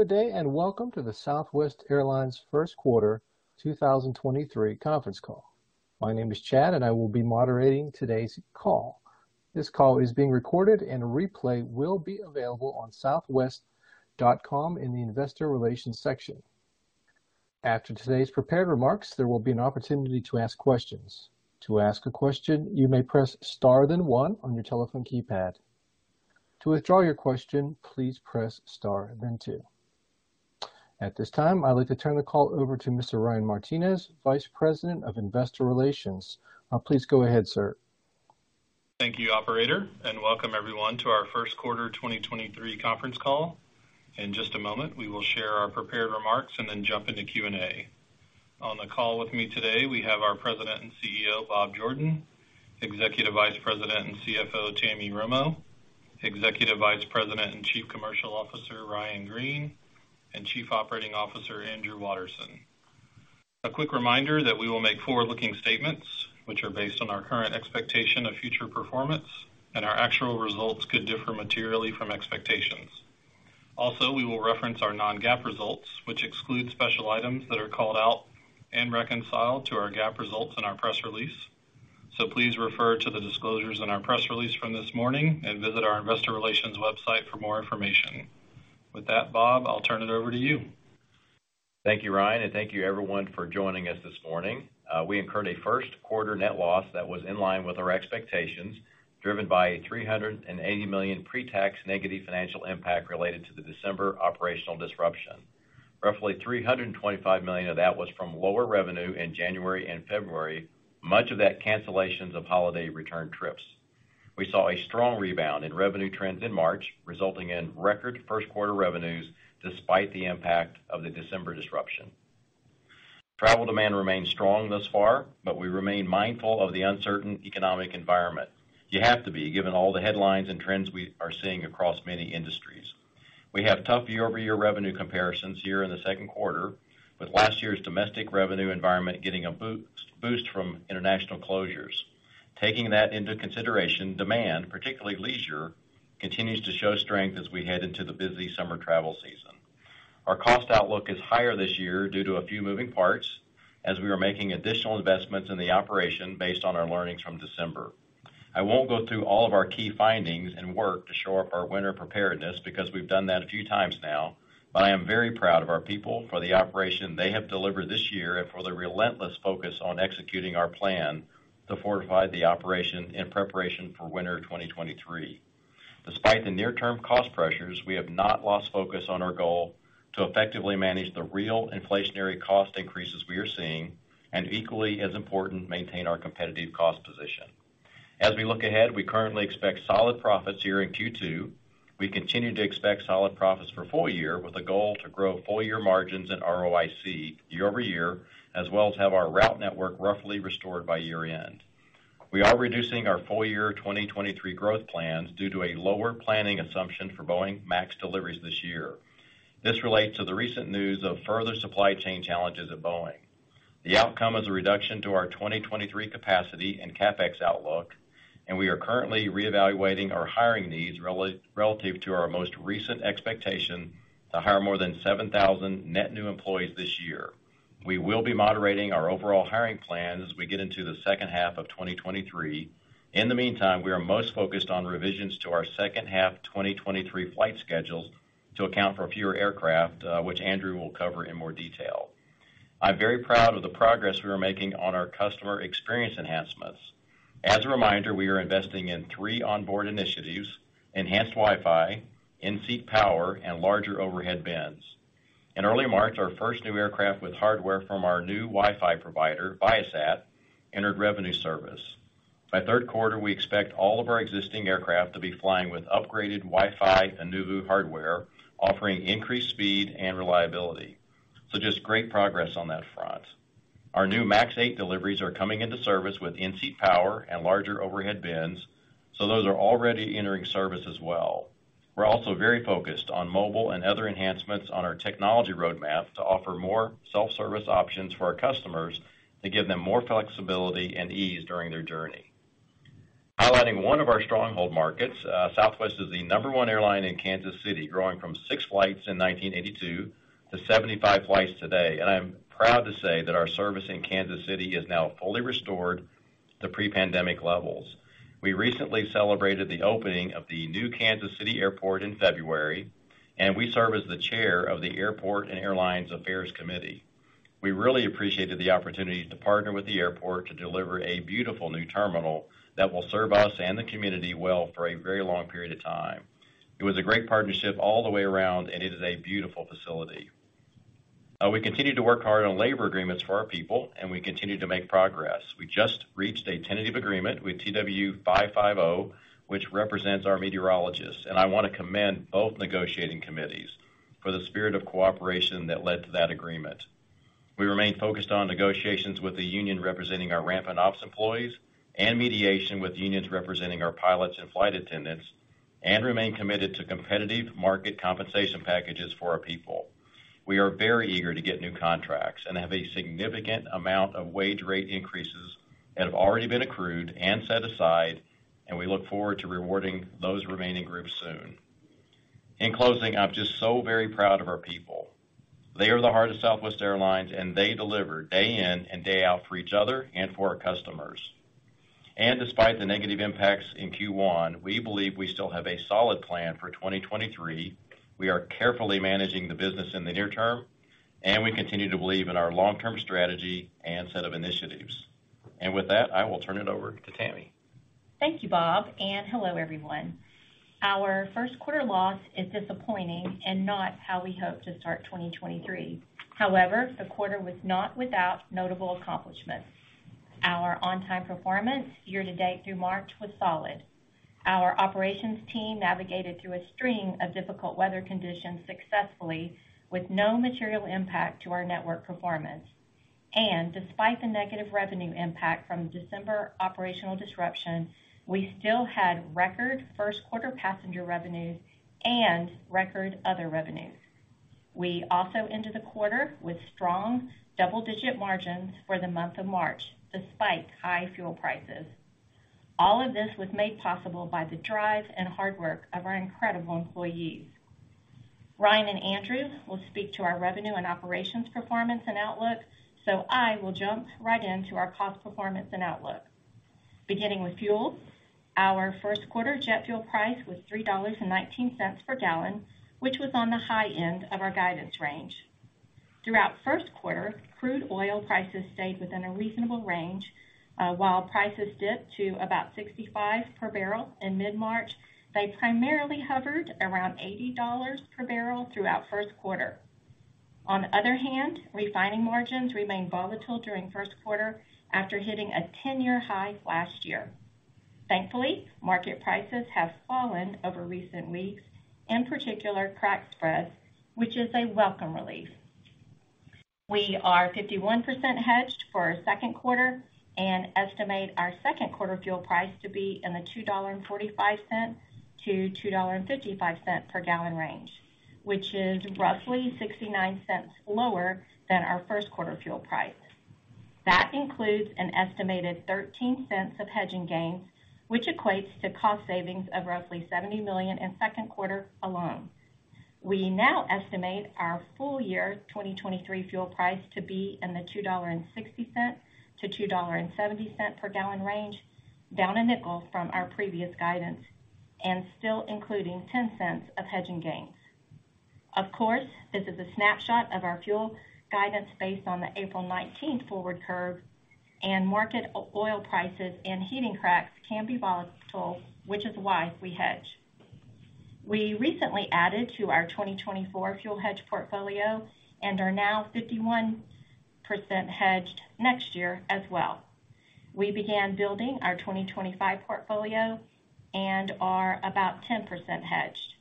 Good day. Welcome to the Southwest Airlines first quarter 2023 conference call. My name is Chad, and I will be moderating today's call. This call is being recorded and a replay will be available on southwest.com in the Investor Relations section. After today's prepared remarks, there will be an opportunity to ask questions. To ask a question, you may Press Star then one on your telephone keypad. To withdraw your question, please press Star then two. At this time, I'd like to turn the call over to Mr. Ryan Martinez, Vice President of Investor Relations. Please go ahead, sir. Thank you, operator, and welcome everyone to our first quarter 2023 conference call. In just a moment, we will share our prepared remarks and then jump into Q&A. On the call with me today, we have our President and CEO, Bob Jordan, Executive Vice President and CFO, Tammy Romo, Executive Vice President and Chief Commercial Officer, Ryan Green, and Chief Operating Officer, Andrew Watterson. A quick reminder that we will make forward-looking statements which are based on our current expectation of future performance and our actual results could differ materially from expectations. Also, we will reference our non-GAAP results, which exclude special items that are called out and reconciled to our GAAP results in our press release. Please refer to the disclosures in our press release from this morning and visit our investor relations website for more information. With that, Bob, I'll turn it over to you. Thank you, Ryan, and thank you everyone for joining us this morning. We incurred a first quarter net loss that was in line with our expectations, driven by a $380 million pre-tax negative financial impact related to the December operational disruption. Roughly $325 million of that was from lower revenue in January and February, much of that cancellations of holiday return trips. We saw a strong rebound in revenue trends in March, resulting in record first quarter revenues despite the impact of the December disruption. Travel demand remains strong thus far, we remain mindful of the uncertain economic environment. You have to be, given all the headlines and trends we are seeing across many industries. We have tough year-over-year revenue comparisons here in the second quarter, with last year's domestic revenue environment getting a boost from international closures. Taking that into consideration, demand, particularly leisure, continues to show strength as we head into the busy summer travel season. Our cost outlook is higher this year due to a few moving parts as we are making additional investments in the operation based on our learnings from December. I won't go through all of our key findings and work to show up our winter preparedness because we've done that a few times now, but I am very proud of our people for the operation they have delivered this year and for the relentless focus on executing our plan to fortify the operation in preparation for winter 2023. Despite the near term cost pressures, we have not lost focus on our goal to effectively manage the real inflationary cost increases we are seeing and equally as important, maintain our competitive cost position. As we look ahead, we currently expect solid profits here in Q2. We continue to expect solid profits for full year with a goal to grow full year margins and ROIC year-over-year, as well as have our route network roughly restored by year-end. We are reducing our full year 2023 growth plans due to a lower planning assumption for Boeing MAX deliveries this year. This relates to the recent news of further supply chain challenges at Boeing. The outcome is a reduction to our 2023 capacity and CapEx outlook, we are currently reevaluating our hiring needs relative to our most recent expectation to hire more than 7,000 net new employees this year. We will be moderating our overall hiring plans as we get into the second half of 2023. In the meantime, we are most focused on revisions to our second half 2023 flight schedules to account for fewer aircraft, which Andrew will cover in more detail. I'm very proud of the progress we are making on our customer experience enhancements. As a reminder, we are investing in three onboard initiatives: enhanced Wi-Fi, in-seat power, and larger overhead bins. In early March, our first new aircraft with hardware from our new Wi-Fi provider, Viasat, entered revenue service. By third quarter, we expect all of our existing aircraft to be flying with upgraded Wi-Fi Anuvu hardware, offering increased speed and reliability. Just great progress on that front. Our new MAX 8 deliveries are coming into service with in-seat power and larger overhead bins, those are already entering service as well. We're also very focused on mobile and other enhancements on our technology roadmap to offer more self-service options for our customers to give them more flexibility and ease during their journey. Highlighting one of our stronghold markets, Southwest is the number one airline in Kansas City, growing from six flights in 1982 to 75 flights today. I'm proud to say that our service in Kansas City is now fully restored to pre-pandemic levels. We recently celebrated the opening of the new Kansas City Airport in February, and we serve as the chair of the Airport and Airlines Affairs Committee. We really appreciated the opportunity to partner with the airport to deliver a beautiful new terminal that will serve us and the community well for a very long period of time. It was a great partnership all the way around, and it is a beautiful facility. We continue to work hard on labor agreements for our people, and we continue to make progress. We just reached a tentative agreement with TW550, which represents our meteorologists, and I wanna commend both negotiating committees for the spirit of cooperation that led to that agreement. We remain focused on negotiations with the union representing our ramp and ops employees and mediation with unions representing our pilots and flight attendants and remain committed to competitive market compensation packages for our people. We are very eager to get new contracts and have a significant amount of wage rate increases that have already been accrued and set aside, and we look forward to rewarding those remaining groups soon. In closing, I'm just so very proud of our people. They are the heart of Southwest Airlines, and they deliver day in and day out for each other and for our customers. Despite the negative impacts in Q1, we believe we still have a solid plan for 2023. We are carefully managing the business in the near term, and we continue to believe in our long-term strategy and set of initiatives. With that, I will turn it over to Tammy. Thank you, Bob. Hello everyone. Our first quarter loss is disappointing and not how we hoped to start 2023. However, the quarter was not without notable accomplishments. Our on-time performance year-to-date through March was solid. Our operations team navigated through a string of difficult weather conditions successfully with no material impact to our network performance. Despite the negative revenue impact from December operational disruption, we still had record first quarter passenger revenues and record other revenues. We also ended the quarter with strong double-digit margins for the month of March, despite high fuel prices. All of this was made possible by the drive and hard work of our incredible employees. Ryan and Andrew will speak to our revenue and operations performance and outlook, so I will jump right into our cost performance and outlook. Beginning with fuel, our first quarter jet fuel price was $3.19 per gallon, which was on the high end of our guidance range. Throughout first quarter, crude oil prices stayed within a reasonable range. While prices dipped to about $65 per barrel in mid-March, they primarily hovered around $80 per barrel throughout first quarter. On the other hand, refining margins remained volatile during first quarter after hitting a 10-year high last year. Thankfully, market prices have fallen over recent weeks, in particular crack spreads, which is a welcome relief. We are 51% hedged for second quarter and estimate our second quarter fuel price to be in the $2.45-$2.55 per gallon range, which is roughly $0.69 lower than our first quarter fuel price. That includes an estimated $0.13 of hedging gains, which equates to cost savings of roughly $70 million in second quarter alone. We now estimate our full year 2023 fuel price to be in the $2.60-$2.70 per gallon range, down $0.05 from our previous guidance and still including $0.10 of hedging gains. Of course, this is a snapshot of our fuel guidance based on the April nineteenth forward curve and market oil prices and heating cracks can be volatile, which is why we hedge. We recently added to our 2024 fuel hedge portfolio and are now 51% hedged next year as well. We began building our 2025 portfolio and are about 10% hedged.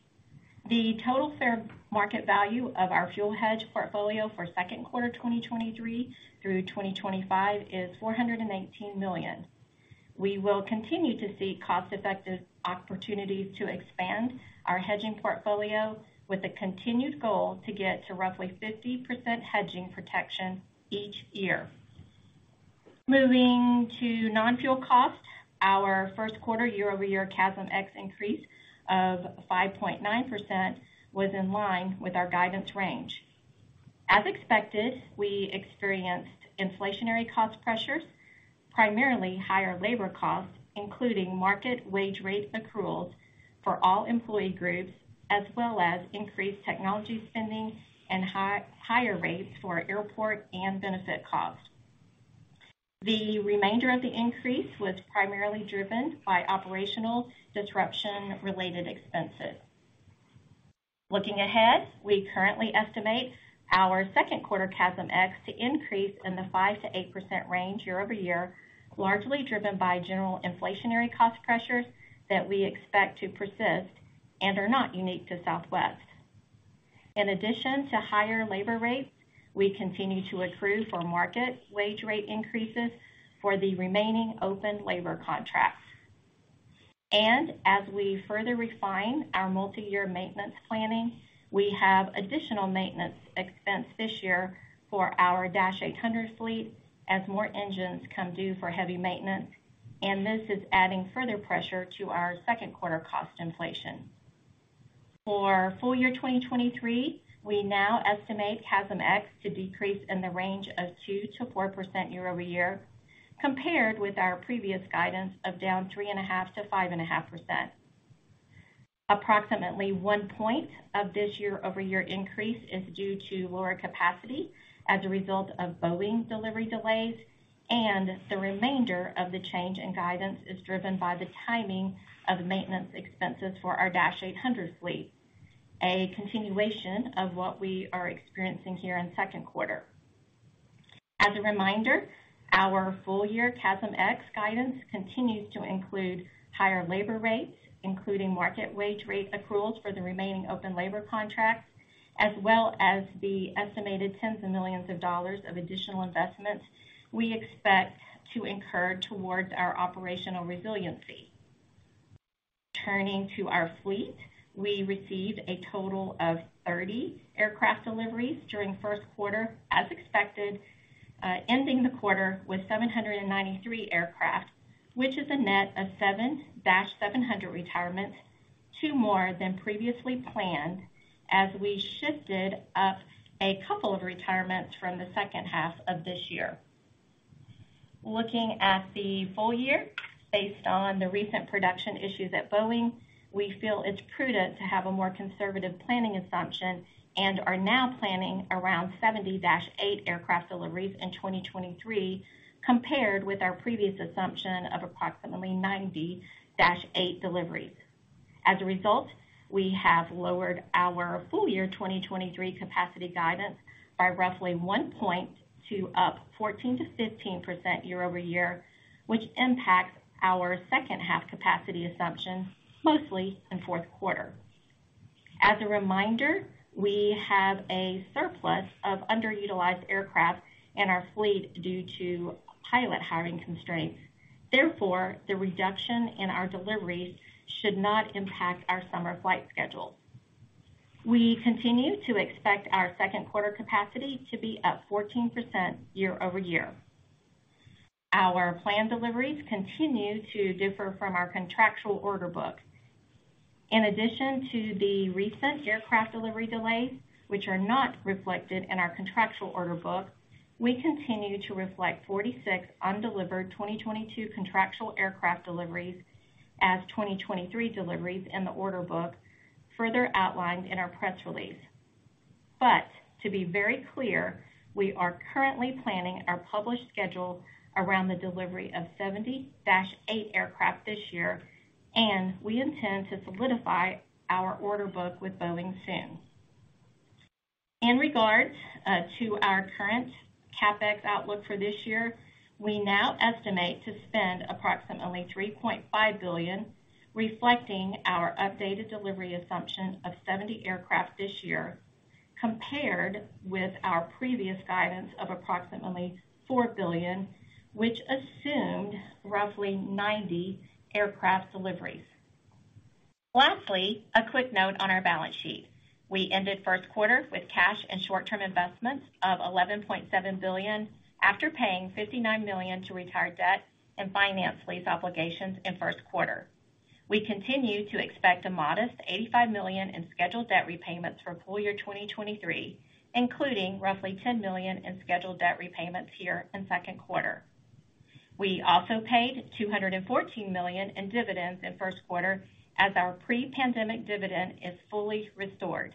The total fair market value of our fuel hedge portfolio for second quarter 2023 through 2025 is $418 million. We will continue to see cost-effective opportunities to expand our hedging portfolio with a continued goal to get to roughly 50% hedging protection each year. Moving to non-fuel costs, our first quarter year-over-year CASM-ex increase of 5.9% was in line with our guidance range. As expected, we experienced inflationary cost pressures, primarily higher labor costs, including market wage rate accruals for all employee groups, as well as increased technology spending and higher rates for airport and benefit costs. The remainder of the increase was primarily driven by operational disruption-related expenses. Looking ahead, we currently estimate our second quarter CASM-ex to increase in the 5%-8% range year-over-year, largely driven by general inflationary cost pressures that we expect to persist and are not unique to Southwest. In addition to higher labor rates, we continue to accrue for market wage rate increases for the remaining open labor contracts. As we further refine our multi-year maintenance planning, we have additional maintenance expense this year for our Dash Eight Hundred fleet as more engines come due for heavy maintenance. This is adding further pressure to our second quarter cost inflation. For full year 2023, we now estimate CASM-ex to decrease in the range of 2%-4% year-over-year, compared with our previous guidance of down 3.5%-5.5%. Approximately one point of this year-over-year increase is due to lower capacity as a result of Boeing delivery delays, and the remainder of the change in guidance is driven by the timing of maintenance expenses for our Dash Eight Hundred fleet, a continuation of what we are experiencing here in second quarter. As a reminder, our full year CASM-ex guidance continues to include higher labor rates, including market wage rate accruals for the remaining open labor contracts, as well as the estimated tens of millions of dollars of additional investments we expect to incur towards our operational resiliency. Turning to our fleet, we received a total of 30 aircraft deliveries during first quarter as expected, ending the quarter with 793 aircraft, which is a net of seven Dash Seven hundred retirements, two more than previously planned as we shifted up a couple of retirements from the second half of this year. Looking at the full year, based on the recent production issues at Boeing, we feel it's prudent to have a more conservative planning assumption and are now planning around 70 Dash Eight aircraft deliveries in 2023, compared with our previous assumption of approximately 90 Dash Eight deliveries. As a result, we have lowered our full year 2023 capacity guidance by roughly 1 point to up 14%-15% year-over-year, which impacts our second half capacity assumption mostly in 4th quarter. As a reminder, we have a surplus of underutilized aircraft in our fleet due to pilot hiring constraints. Therefore, the reduction in our deliveries should not impact our summer flight schedule. We continue to expect our 2nd quarter capacity to be up 14% year-over-year. Our planned deliveries continue to differ from our contractual order book. In addition to the recent aircraft delivery delays, which are not reflected in our contractual order book, we continue to reflect 46 undelivered 2022 contractual aircraft deliveries as 2023 deliveries in the order book, further outlined in our press release. To be very clear, we are currently planning our published schedule around the delivery of 70 Dash eight aircraft this year, and we intend to solidify our order book with Boeing soon. In regards to our current CapEx outlook for this year, we now estimate to spend approximately $3.5 billion, reflecting our updated delivery assumption of 70 aircraft this year, compared with our previous guidance of approximately $4 billion, which assumed roughly 90 aircraft deliveries. Lastly, a quick note on our balance sheet. We ended first quarter with cash and short-term investments of $11.7 billion after paying $59 million to retire debt and finance lease obligations in first quarter. We continue to expect a modest $85 million in scheduled debt repayments for full year 2023, including roughly $10 million in scheduled debt repayments here in second quarter. We also paid $214 million in dividends in first quarter as our pre-pandemic dividend is fully restored.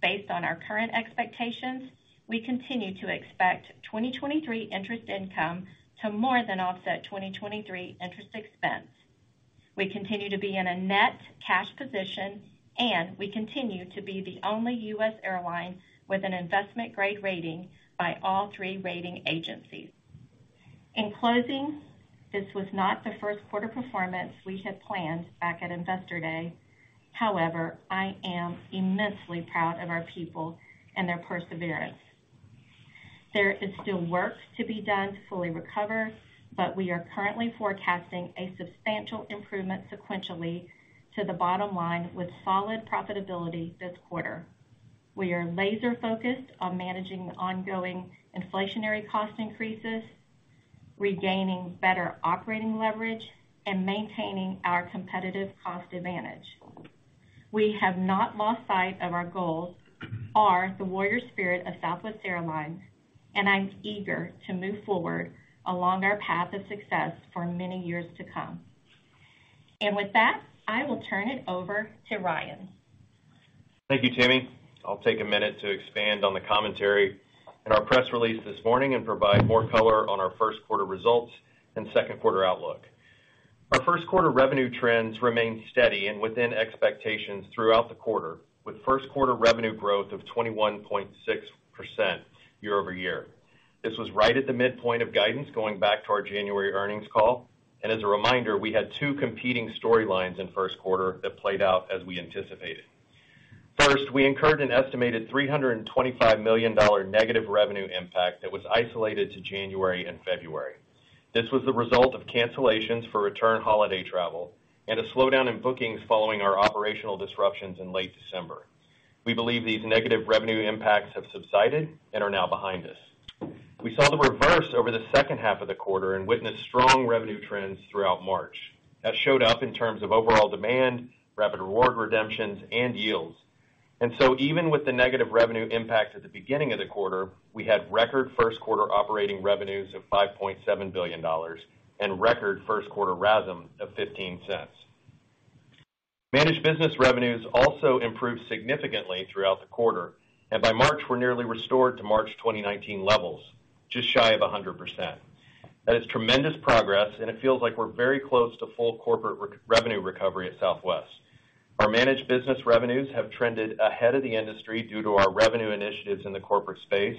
Based on our current expectations, we continue to expect 2023 interest income to more than offset 2023 interest expense. We continue to be in a net cash position, and we continue to be the only U.S. airline with an investment-grade rating by all three rating agencies. In closing, this was not the first quarter performance we had planned back at Investor Day. However, I am immensely proud of our people and their perseverance. There is still work to be done to fully recover, but we are currently forecasting a substantial improvement sequentially to the bottom line with solid profitability this quarter. We are laser-focused on managing the ongoing inflationary cost increases, regaining better operating leverage, and maintaining our competitive cost advantage. We have not lost sight of our goals or the warrior spirit of Southwest Airlines, and I'm eager to move forward along our path of success for many years to come. With that, I will turn it over to Ryan. Thank you, Tammy. I'll take a minute to expand on the commentary in our press release this morning and provide more color on our first quarter results and second quarter outlook. Our first quarter revenue trends remained steady and within expectations throughout the quarter, with first quarter revenue growth of 21.6% year-over-year. This was right at the midpoint of guidance going back to our January earnings call. As a reminder, we had two competing storylines in first quarter that played out as we anticipated. First, we incurred an estimated $325 million negative revenue impact that was isolated to January and February. This was the result of cancellations for return holiday travel and a slowdown in bookings following our operational disruptions in late December. We believe these negative revenue impacts have subsided and are now behind us. We saw the reverse over the second half of the quarter and witnessed strong revenue trends throughout March. That showed up in terms of overall demand, Rapid Reward redemptions, and yields. Even with the negative revenue impacts at the beginning of the quarter, we had record first quarter operating revenues of $5.7 billion and record first quarter RASM of $0.15. Managed business revenues also improved significantly throughout the quarter, and by March were nearly restored to March 2019 levels, just shy of 100%. That is tremendous progress, and it feels like we're very close to full corporate revenue recovery at Southwest. Our managed business revenues have trended ahead of the industry due to our revenue initiatives in the corporate space,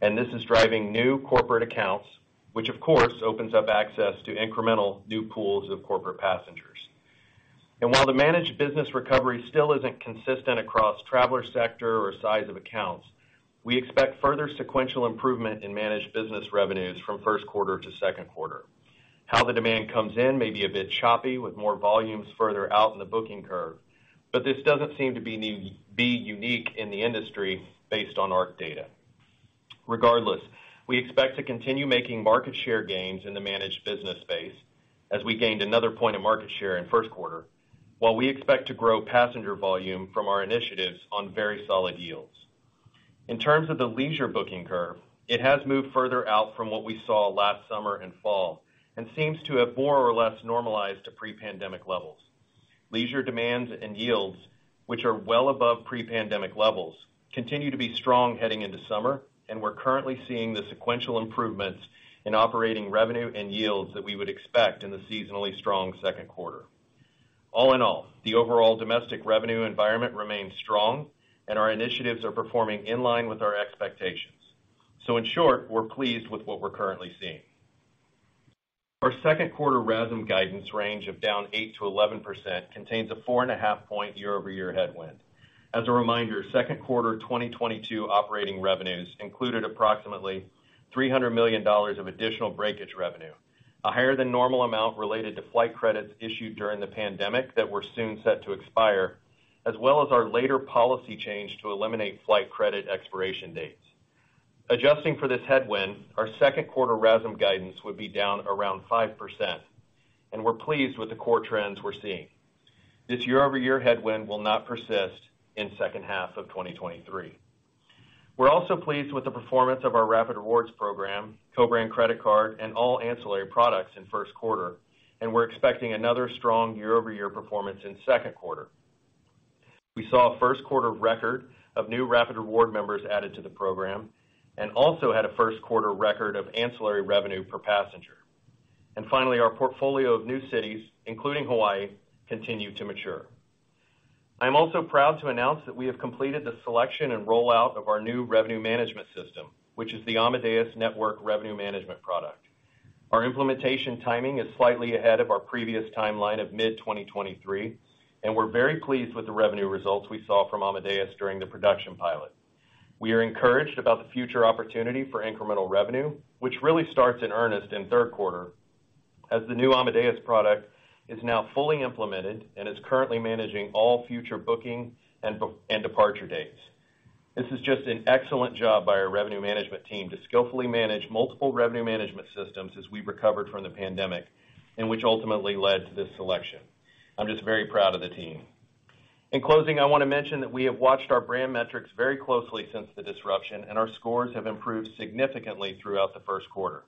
and this is driving new corporate accounts, which of course opens up access to incremental new pools of corporate passengers. While the managed business recovery still isn't consistent across traveler sector or size of accounts, we expect further sequential improvement in managed business revenues from first quarter to second quarter. How the demand comes in may be a bit choppy with more volumes further out in the booking curve, but this doesn't seem to be unique in the industry based on our data. Regardless, we expect to continue making market share gains in the managed business space as we gained another point of market share in first quarter, while we expect to grow passenger volume from our initiatives on very solid yields. In terms of the leisure booking curve, it has moved further out from what we saw last summer and fall and seems to have more or less normalized to pre-pandemic levels. Leisure demands and yields, which are well above pre-pandemic levels, continue to be strong heading into summer, and we're currently seeing the sequential improvements in operating revenue and yields that we would expect in the seasonally strong second quarter. All in all, the overall domestic revenue environment remains strong and our initiatives are performing in line with our expectations. In short, we're pleased with what we're currently seeing. Our second quarter RASM guidance range of down 8%-11% contains a 4.5 point year-over-year headwind. As a reminder, second quarter 2022 operating revenues included approximately $300 million of additional breakage revenue, a higher than normal amount related to flight credits issued during the pandemic that were soon set to expire, as well as our later policy change to eliminate flight credit expiration dates. Adjusting for this headwind, our second quarter RASM guidance would be down around 5%, and we're pleased with the core trends we're seeing. This year-over-year headwind will not persist in second half of 2023. We're also pleased with the performance of our Rapid Rewards program, co-brand credit card, and all ancillary products in first quarter, and we're expecting another strong year-over-year performance in second quarter. We saw a first quarter record of new Rapid Reward members added to the program and also had a first quarter record of ancillary revenue per passenger. Finally, our portfolio of new cities, including Hawaii, continue to mature. I'm also proud to announce that we have completed the selection and rollout of our new revenue management system, which is the Amadeus Network Revenue Management product. Our implementation timing is slightly ahead of our previous timeline of mid-2023. We're very pleased with the revenue results we saw from Amadeus during the production pilot. We are encouraged about the future opportunity for incremental revenue, which really starts in earnest in third quarter as the new Amadeus product is now fully implemented and is currently managing all future booking and departure dates. This is just an excellent job by our revenue management team to skillfully manage multiple revenue management systems as we recovered from the pandemic and which ultimately led to this selection. I'm just very proud of the team. In closing, I wanna mention that we have watched our brand metrics very closely since the disruption and our scores have improved significantly throughout the first quarter.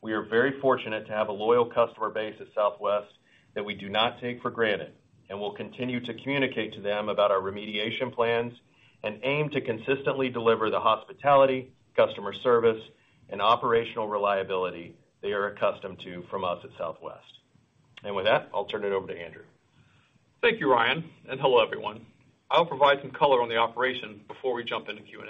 We are very fortunate to have a loyal customer base at Southwest that we do not take for granted and will continue to communicate to them about our remediation plans and aim to consistently deliver the hospitality, customer service, and operational reliability they are accustomed to from us at Southwest. With that, I'll turn it over to Andrew. Thank you, Ryan. Hello, everyone. I'll provide some color on the operation before we jump into Q&A.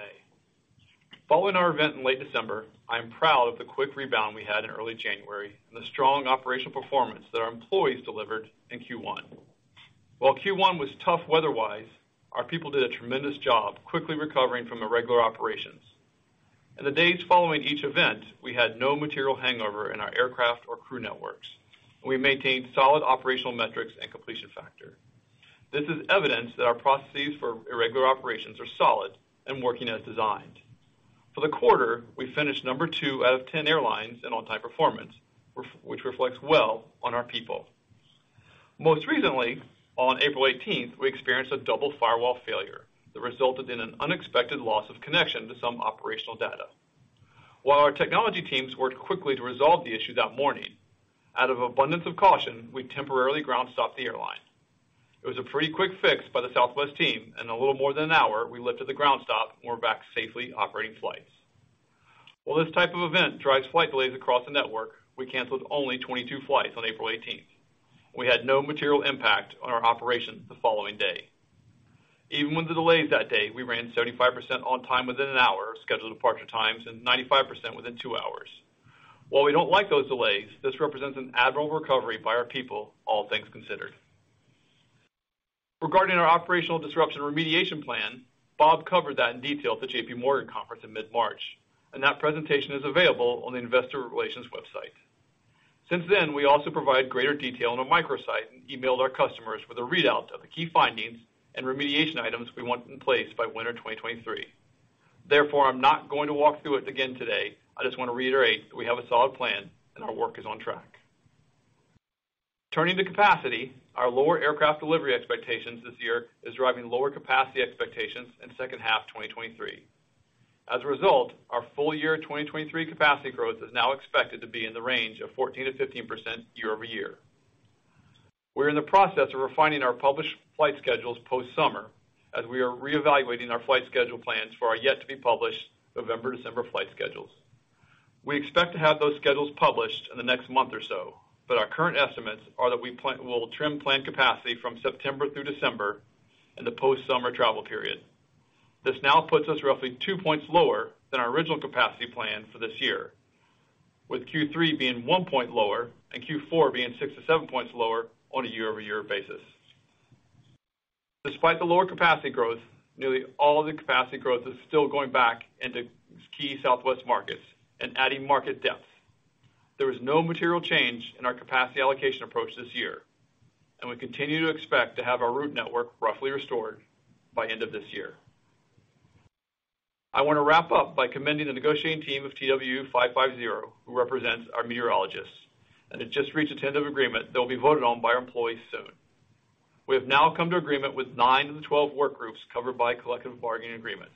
Following our event in late December, I am proud of the quick rebound we had in early January and the strong operational performance that our employees delivered in Q1. While Q1 was tough weather-wise, our people did a tremendous job quickly recovering from irregular operations. In the days following each event, we had no material hangover in our aircraft or crew networks, and we maintained solid operational metrics and completion factor. This is evidence that our processes for irregular operations are solid and working as designed. For the quarter, we finished number two out of 10 airlines in on-time performance, which reflects well on our people. Most recently, on 18th April, we experienced a double firewall failure that resulted in an unexpected loss of connection to some operational data. While our technology teams worked quickly to resolve the issue that morning, out of abundance of caution, we temporarily ground stopped the airline. It was a pretty quick fix by the Southwest team. In a little more than an hour, we lifted the ground stop and were back safely operating flights. While this type of event drives flight delays across the network, we canceled only 22 flights on 18th April. We had no material impact on our operations the following day. Even with the delays that day, we ran 75% on time within an hour of scheduled departure times and 95% within two hours. While we don't like those delays, this represents an admirable recovery by our people, all things considered. Regarding our operational disruption remediation plan, Bob covered that in detail at the JPMorgan conference in mid-March. That presentation is available on the investor relations website. Since then, we also provide greater detail on a microsite and emailed our customers with a readout of the key findings and remediation items we want in place by winter 2023. I'm not going to walk through it again today. I just wanna reiterate that we have a solid plan and our work is on track. Turning to capacity, our lower aircraft delivery expectations this year is driving lower capacity expectations in the second half 2023. Our full year 2023 capacity growth is now expected to be in the range of 14%-15% year-over-year. We're in the process of refining our published flight schedules post-summer as we are reevaluating our flight schedule plans for our yet to be published November/December flight schedules. We expect to have those schedules published in the next month or so, our current estimates are that we will trim planned capacity from September through December in the post-summer travel period. This now puts us roughly two points lower than our original capacity plan for this year, with Q3 being one point lower and Q4 being six to seven points lower on a year-over-year basis. Despite the lower capacity growth, nearly all of the capacity growth is still going back into key Southwest markets and adding market depth. There is no material change in our capacity allocation approach this year, and we continue to expect to have our route network roughly restored by end of this year. I wanna wrap up by commending the negotiating team of TW 550 who represents our meteorologists, it just reached a tentative agreement that will be voted on by our employees soon. We have now come to agreement with nine of the 12 work groups covered by collective bargaining agreements.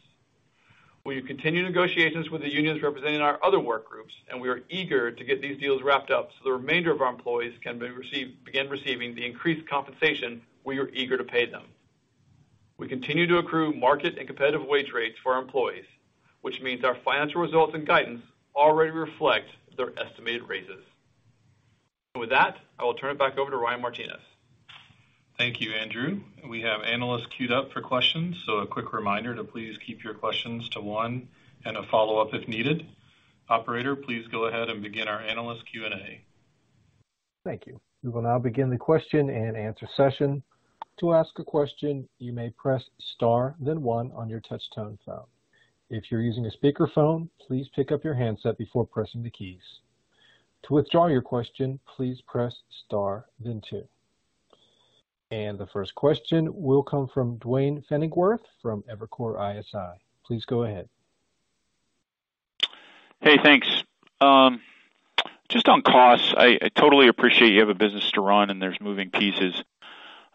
We continue negotiations with the unions representing our other work groups, we are eager to get these deals wrapped up so the remainder of our employees can begin receiving the increased compensation we are eager to pay them. We continue to accrue market and competitive wage rates for our employees, which means our financial results and guidance already reflect their estimated raises. With that, I will turn it back over to Ryan Martinez. Thank you, Andrew. We have analysts queued up for questions. A quick reminder to please keep your questions to one and a follow-up if needed. Operator, please go ahead and begin our analyst Q&A. Thank you. We will now begin the question-and-answer session. To ask a question, you may Press Star then one on your touchtone phone. If you're using a speakerphone, please pick up your handset before pressing the keys. To withdraw your question, please press star then two. The first question will come from Duane Pfennigwerth from Evercore ISI. Please go ahead. Hey, thanks. Just on costs, I totally appreciate you have a business to run and there's moving pieces.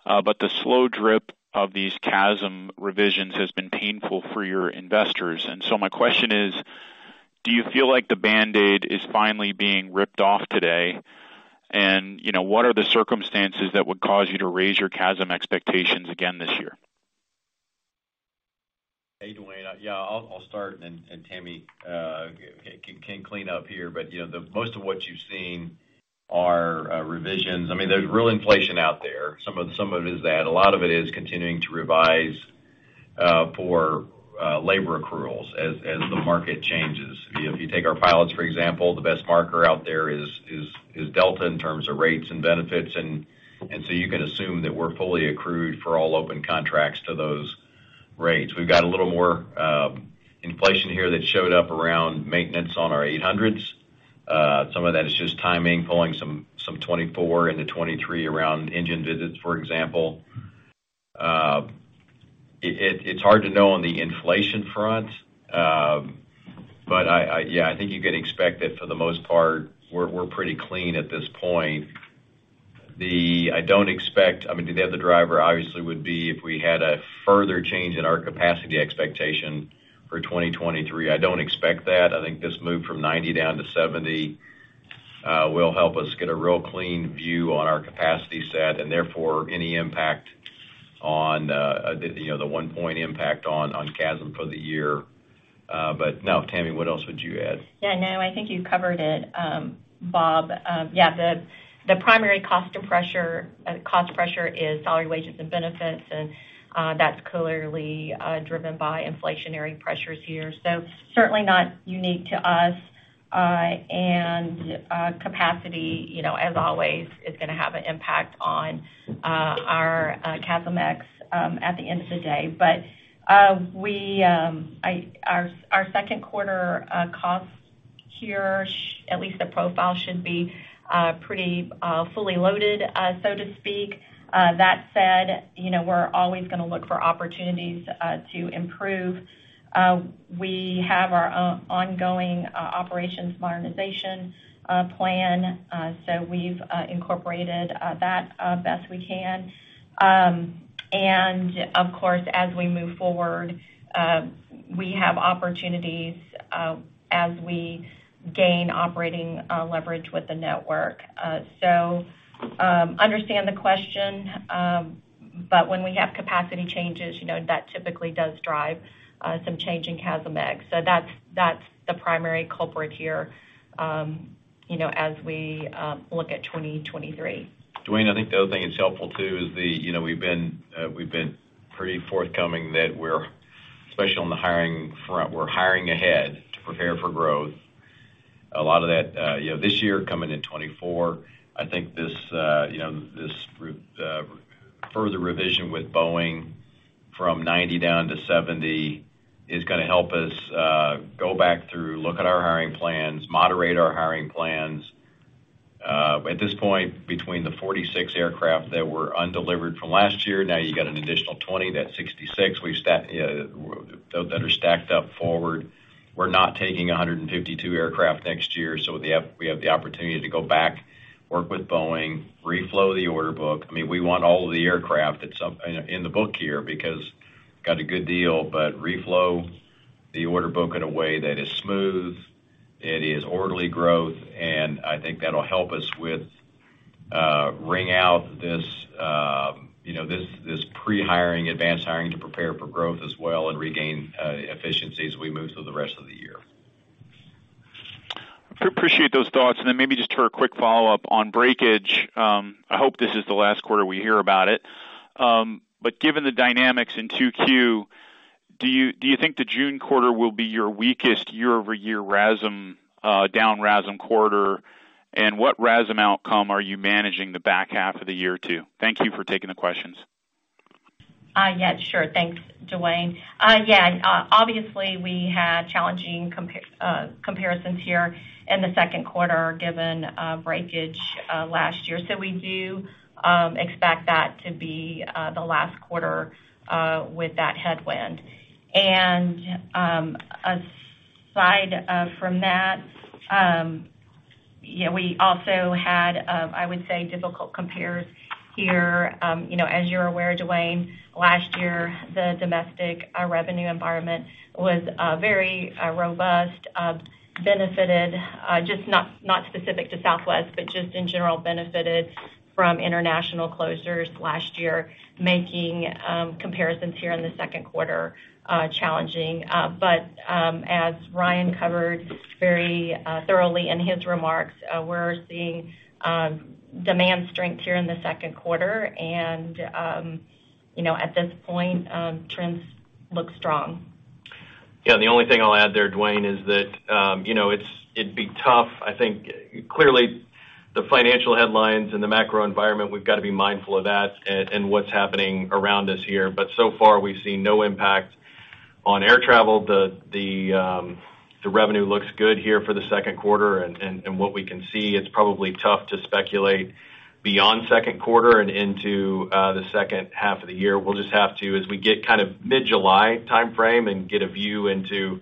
The slow drip of these CASM revisions has been painful for your investors. My question is, do you feel like the Band-Aid is finally being ripped off today? You know, what are the circumstances that would cause you to raise your CASM expectations again this year? Hey, Duane. Yeah, I'll start and Tammy can clean up here. You know, most of what you've seen are revisions. I mean, there's real inflation out there. Some of it is that. A lot of it is continuing to revise for labor accruals as the market changes. If you take our pilots, for example, the best marker out there is Delta in terms of rates and benefits. You can assume that we're fully accrued for all open contracts to those rates. We've got a little more inflation here that showed up around maintenance on our 800s. Some of that is just timing, pulling some 24 into 23 around engine visits, for example. It's hard to know on the inflation front. I. Yeah, I think you can expect that for the most part, we're pretty clean at this point. I mean, the other driver obviously would be if we had a further change in our capacity expectation for 2023. I don't expect that. I think this move from 90 down to 70 will help us get a real clean view on our capacity set, and therefore, any impact on the, you know, one point impact on CASM for the year. Now, Tammy, what else would you add? No, I think you covered it, Bob. The primary cost pressure is salary, wages, and benefits, and that's clearly driven by inflationary pressures here. Certainly not unique to us. Capacity, you know, as always, is gonna have an impact on our CASM-ex at the end of the day. We our second quarter costs here at least the profile should be pretty fully loaded, so to speak. That said, you know, we're always gonna look for opportunities to improve. We have our ongoing operations modernization plan, we've incorporated that best we can. Of course, as we move forward, we have opportunities, as we gain operating leverage with the network. Understand the question, but when we have capacity changes, you know, that typically does drive some change in CASM-ex. That's the primary culprit here, you know, as we look at 2023. Duane, I think the other thing that's helpful too is the, you know, we've been pretty forthcoming that we're, especially on the hiring front, we're hiring ahead to prepare for growth. A lot of that, you know, this year coming in 2024, I think this, you know, further revision with Boeing from 90 down to 70 is gonna help us go back through, look at our hiring plans, moderate our hiring plans. At this point, between the 46 aircraft that were undelivered from last year, now you got an additional 20, that's 66. We that are stacked up forward. We're not taking 152 aircraft next year, so the we have the opportunity to go back, work with Boeing, reflow the order book. I mean, we want all of the aircraft that's up, you know, in the book here because got a good deal. Reflow the order book in a way that is smooth, it is orderly growth. I think that'll help us with wring out this, you know, this pre-hiring, advanced hiring to prepare for growth as well and regain efficiency as we move through the rest of the year. Appreciate those thoughts. Then maybe just for a quick follow-up on breakage. I hope this is the last quarter we hear about it. Given the dynamics in 2Q, do you think the June quarter will be your weakest year-over-year RASM, down RASM quarter? What RASM outcome are you managing the back half of the year too? Thank you for taking the questions. Yeah, sure. Thanks, Duane. Yeah, obviously, we had challenging comparisons here in the second quarter given breakage last year. We do expect that to be the last quarter with that headwind. Aside from that, yeah, we also had, I would say, difficult compares here. You know, as you're aware, Duane, last year, the domestic revenue environment was very robust, benefited just not specific to Southwest, but just in general, benefited from international closures last year, making comparisons here in the second quarter challenging. As Ryan covered very thoroughly in his remarks, we're seeing demand strength here in the second quarter. You know, at this point, trends look strong. Yeah. The only thing I'll add there, Duane, is that, you know, it'd be tough. I think clearly the financial headlines and the macro environment, we've gotta be mindful of that and what's happening around us here. So far, we've seen no impact on air travel. The revenue looks good here for the second quarter. And what we can see, it's probably tough to speculate beyond second quarter and into the second half of the year. We'll just have to, as we get kind of mid-July timeframe and get a view into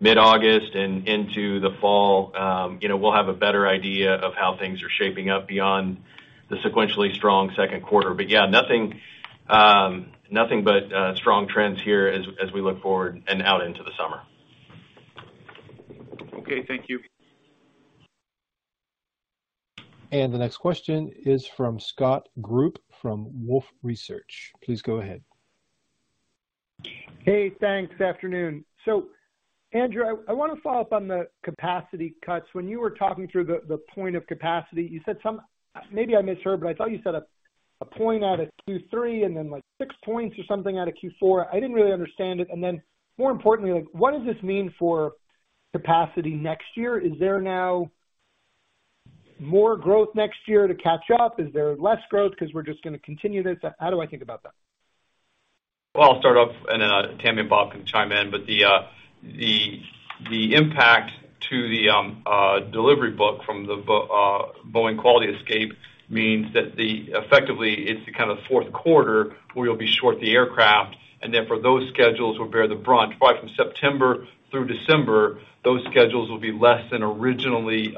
mid-August and into the fall, you know, we'll have a better idea of how things are shaping up beyond the sequentially strong second quarter. Yeah, nothing but strong trends here as we look forward and out into the summer. Okay, thank you. The next question is from Scott Group, from Wolfe Research. Please go ahead. Hey, thanks. Good afternoon. Andrew, I wanna follow up on the capacity cuts. When you were talking through the point of capacity, you said some. Maybe I misheard, but I thought you said a point out of Q3 and then, like, six points or something out of Q4. I didn't really understand it. More importantly, like, what does this mean for capacity next year? Is there now more growth next year to catch up? Is there less growth 'cause we're just gonna continue this? How do I think about that? I'll start off, Tammy and Bob can chime in. The impact to the delivery book from the Boeing quality escape means that effectively it's the kind of fourth quarter where you'll be short the aircraft, and therefore, those schedules will bear the brunt. Probably from September through December, those schedules will be less than originally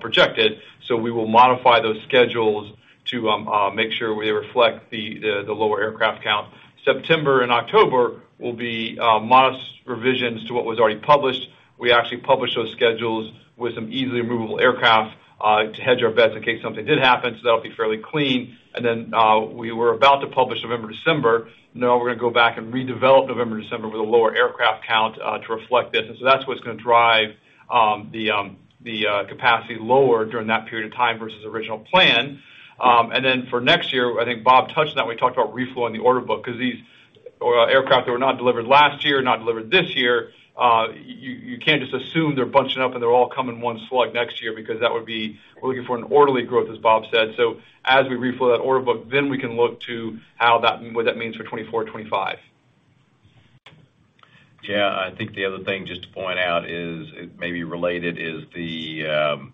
projected, so we will modify those schedules to make sure we reflect the lower aircraft count. September and October will be modest revisions to what was already published. We actually published those schedules with some easily removable aircraft to hedge our bets in case something did happen, so that'll be fairly clean. We were about to publish November, December. We're gonna go back and redevelop November, December with a lower aircraft count to reflect this. That's what's gonna drive the capacity lower during that period of time versus original plan. For next year, I think Bob touched on that when we talked about reflow in the order book, 'cause these aircraft that were not delivered last year, not delivered this year, you can't just assume they're bunching up and they're all coming in one slug next year. We're looking for an orderly growth, as Bob said. As we reflow that order book, we can look to what that means for 2024, 2025. Yeah. I think the other thing just to point out is, it may be related, is the,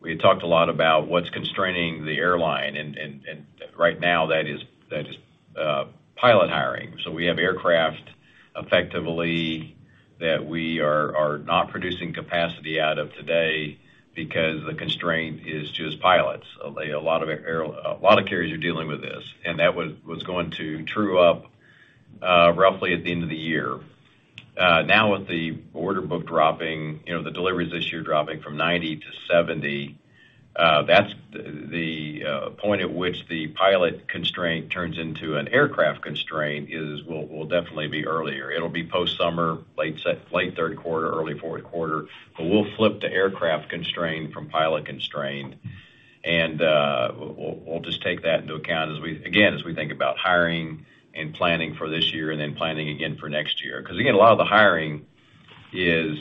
we had talked a lot about what's constraining the airline, and right now that is, pilot hiring. We have aircraft effectively that we are not producing capacity out of today because the constraint is just pilots. A lot of carriers are dealing with this, and that was going to true up roughly at the end of the year. Now with the order book dropping, you know, the deliveries this year dropping from 90-70, that's the point at which the pilot constraint turns into an aircraft constraint will definitely be earlier. It'll be post-summer, late third quarter, early fourth quarter, we'll flip to aircraft constraint from pilot constraint. We'll just take that into account again, as we think about hiring and planning for this year and then planning again for next year. 'Cause again, a lot of the hiring is,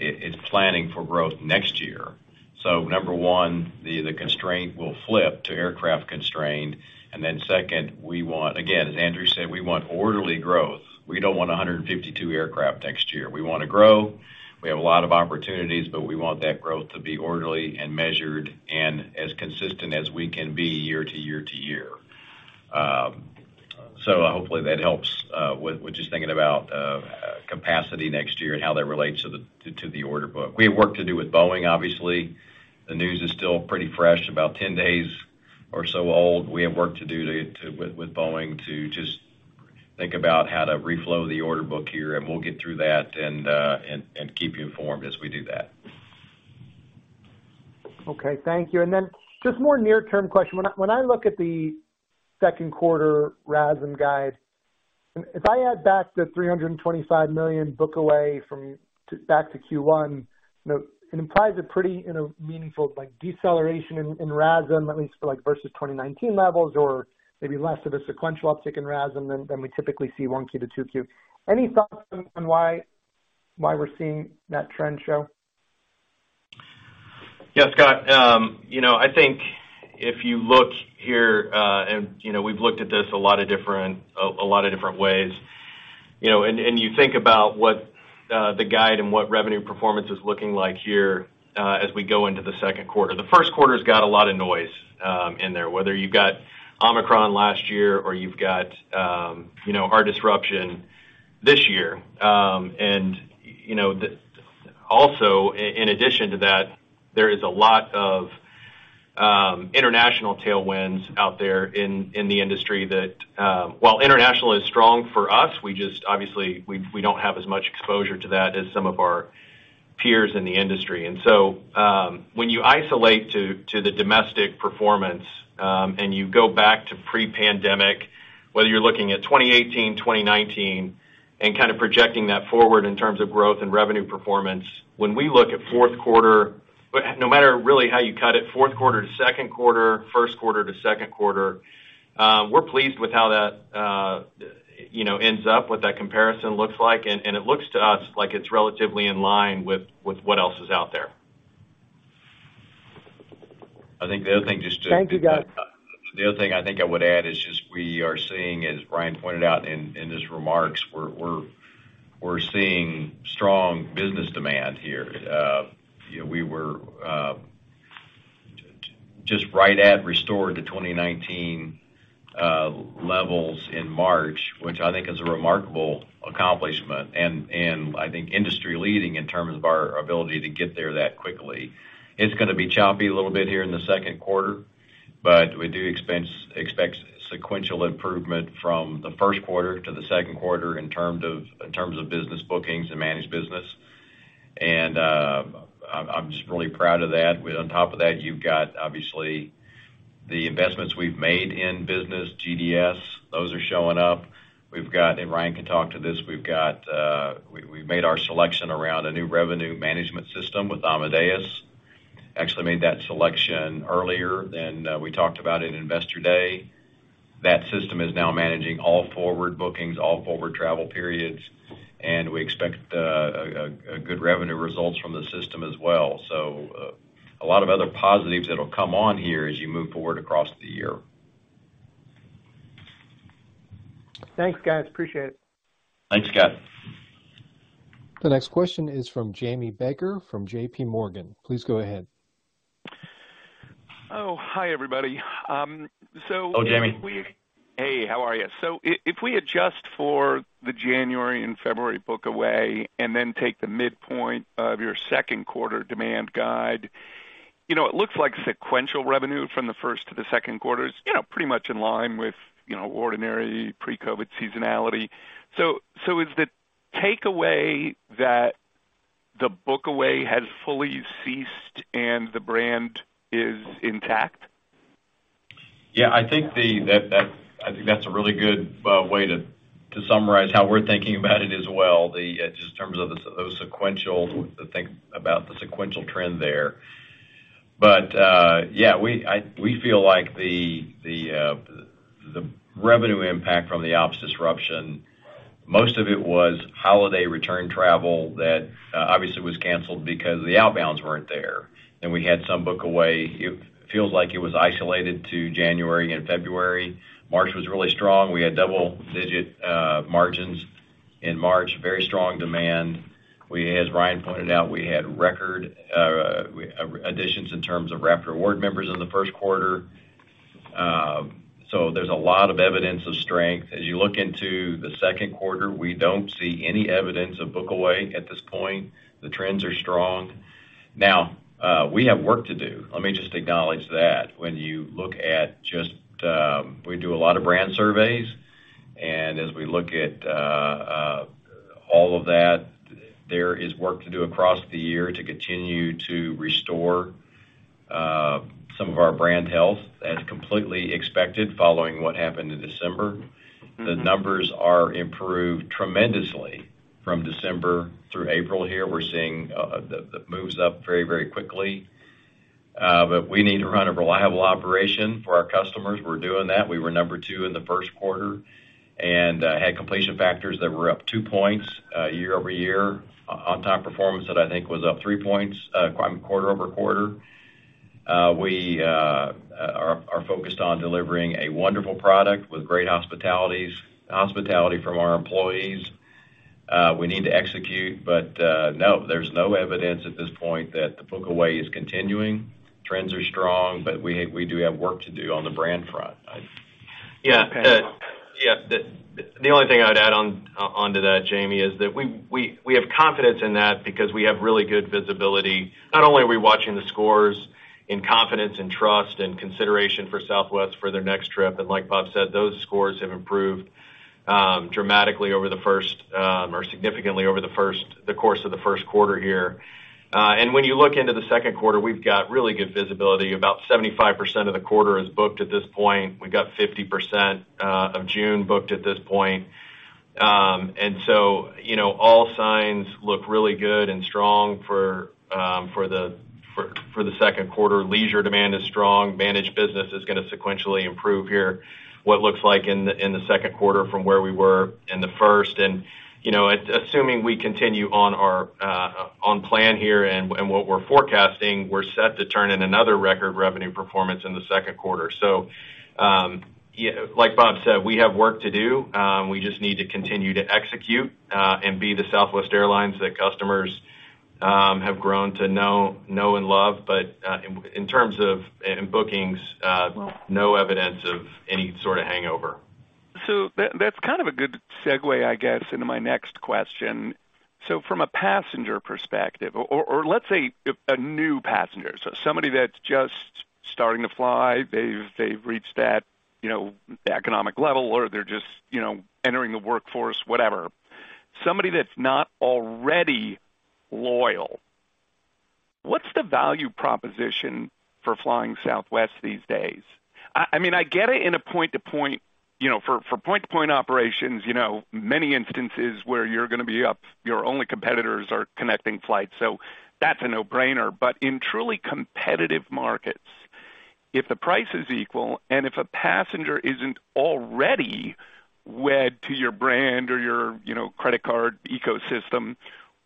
it's planning for growth next year. Number one, the constraint will flip to aircraft constrained. Second, we want, again, as Andrew said, we want orderly growth. We don't want 152 aircraft next year. We wanna grow. We have a lot of opportunities, but we want that growth to be orderly and measured and as consistent as we can be year to year to year. Hopefully that helps with just thinking about capacity next year and how that relates to the order book. We have work to do with Boeing, obviously. The news is still pretty fresh, about 10 days or so old. We have work to do with Boeing to just think about how to reflow the order book here, and we'll get through that and keep you informed as we do that. Okay. Thank you. Just more near-term question. When I look at the second quarter RASM guide, if I add back the $325 million book away to back to Q1, you know, it implies a pretty, you know, meaningful, like, deceleration in RASM, at least for, like, versus 2019 levels or maybe less of a sequential uptick in RASM than we typically see 1Q to 2Q. Any thoughts on why we're seeing that trend show? Yeah, Scott. You know, I think if you look here, and, you know, we've looked at this a lot of different, a lot of different ways, you know, and you think about what the guide and what revenue performance is looking like here, as we go into the second quarter. The first quarter's got a lot of noise in there, whether you've got Omicron last year or you've got, you know, our disruption this year. You know, also, in addition to that, there is a lot of international tailwinds out there in the industry that, while international is strong for us, we just obviously, we don't have as much exposure to that as some of our peers in the industry. When you isolate to the domestic performance, and you go back to pre-pandemic, whether you're looking at 2018, 2019, and kind of projecting that forward in terms of growth and revenue performance, when we look at fourth quarter. No matter really how you cut it, fourth quarter to second quarter, first quarter to second quarter, we're pleased with how that, you know, ends up, what that comparison looks like. It looks to us like it's relatively in line with what else is out there. I think the other thing just. Thank you, guys. The other thing I think I would add is just we are seeing, as Brian pointed out in his remarks, we're seeing strong business demand here. you know, we were just right at restore the 2019 levels in March, which I think is a remarkable accomplishment, and I think industry-leading in terms of our ability to get there that quickly. It's gonna be choppy a little bit here in the second quarter, but we do expect sequential improvement from the first quarter to the second quarter in terms of business bookings and managed business. I'm just really proud of that. With on top of that, you've got obviously the investments we've made in business GDS, those are showing up. We've got, and Ryan can talk to this, we've got we've made our selection around a new revenue management system with Amadeus. Actually made that selection earlier than we talked about in Investor Day. That system is now managing all forward bookings, all forward travel periods, and we expect a good revenue results from the system as well. A lot of other positives that'll come on here as you move forward across the year. Thanks, guys. Appreciate it. Thanks, Scott. The next question is from Jamie Baker from JPMorgan. Please go ahead. Hi, everybody. Hello, Jamie. Hey, how are you? If we adjust for the January and February book away, and then take the midpoint of your second quarter demand guide, you know, it looks like sequential revenue from the first to the second quarter is, you know, pretty much in line with, you know, ordinary pre-COVID seasonality. Is the takeaway that the book away has fully ceased and the brand is intact? Yeah, I think that's a really good way to summarize how we're thinking about it as well, just in terms of those sequential, to think about the sequential trend there. Yeah, we feel like the revenue impact from the ops disruption, most of it was holiday return travel that obviously was canceled because the outbounds weren't there. We had some book away. It feels like it was isolated to January and February. March was really strong. We had double-digit margins in March. Very strong demand. As Ryan pointed out, we had record additions in terms of Rapid Rewards members in the first quarter. There's a lot of evidence of strength. As you look into the second quarter, we don't see any evidence of book away at this point. The trends are strong. Now, we have work to do. Let me just acknowledge that. When you look at just, We do a lot of brand surveys, and as we look at, all of that, there is work to do across the year to continue to restore, some of our brand health as completely expected following what happened in December. The numbers are improved tremendously from December through April here. We're seeing, the moves up very, very quickly. We need to run a reliable operation for our customers. We're doing that. We were number two in the first quarter. Had completion factors that were up two points year-over-year, on time performance that I think was up three points quarter-over-quarter. We are focused on delivering a wonderful product with great hospitality from our employees. We need to execute. No, there's no evidence at this point that the book away is continuing. Trends are strong. We do have work to do on the brand front. Yeah. The only thing I'd add onto that, Jamie, is that we have confidence in that because we have really good visibility. Not only are we watching the scores in confidence and trust and consideration for Southwest for their next trip, and like Bob said, those scores have improved dramatically over the course of the first quarter here. When you look into the second quarter, we've got really good visibility. About 75% of the quarter is booked at this point. We've got 50% of June booked at this point. You know, all signs look really good and strong for the second quarter. Leisure demand is strong. Managed business is gonna sequentially improve here, what looks like in the second quarter from where we were in the first. You know, assuming we continue on our on plan here and what we're forecasting, we're set to turn in another record revenue performance in the second quarter. Yeah, like Bob said, we have work to do. We just need to continue to execute and be the Southwest Airlines that customers have grown to know and love. In terms of bookings, no evidence of any sort of hangover. That, that's kind of a good segue, I guess, into my next question. From a passenger perspective or let's say a new passenger, so somebody that's just starting to fly, they've reached that, you know, economic level or they're just, you know, entering the workforce, whatever. Somebody that's not already loyal, what's the value proposition for flying Southwest these days? I mean, I get it in a point-to-point, you know, for point-to-point operations, you know, many instances where you're gonna be up, your only competitors are connecting flights, so that's a no-brainer. In truly competitive markets, if the price is equal, and if a passenger isn't already wed to your brand or your, you know, credit card ecosystem,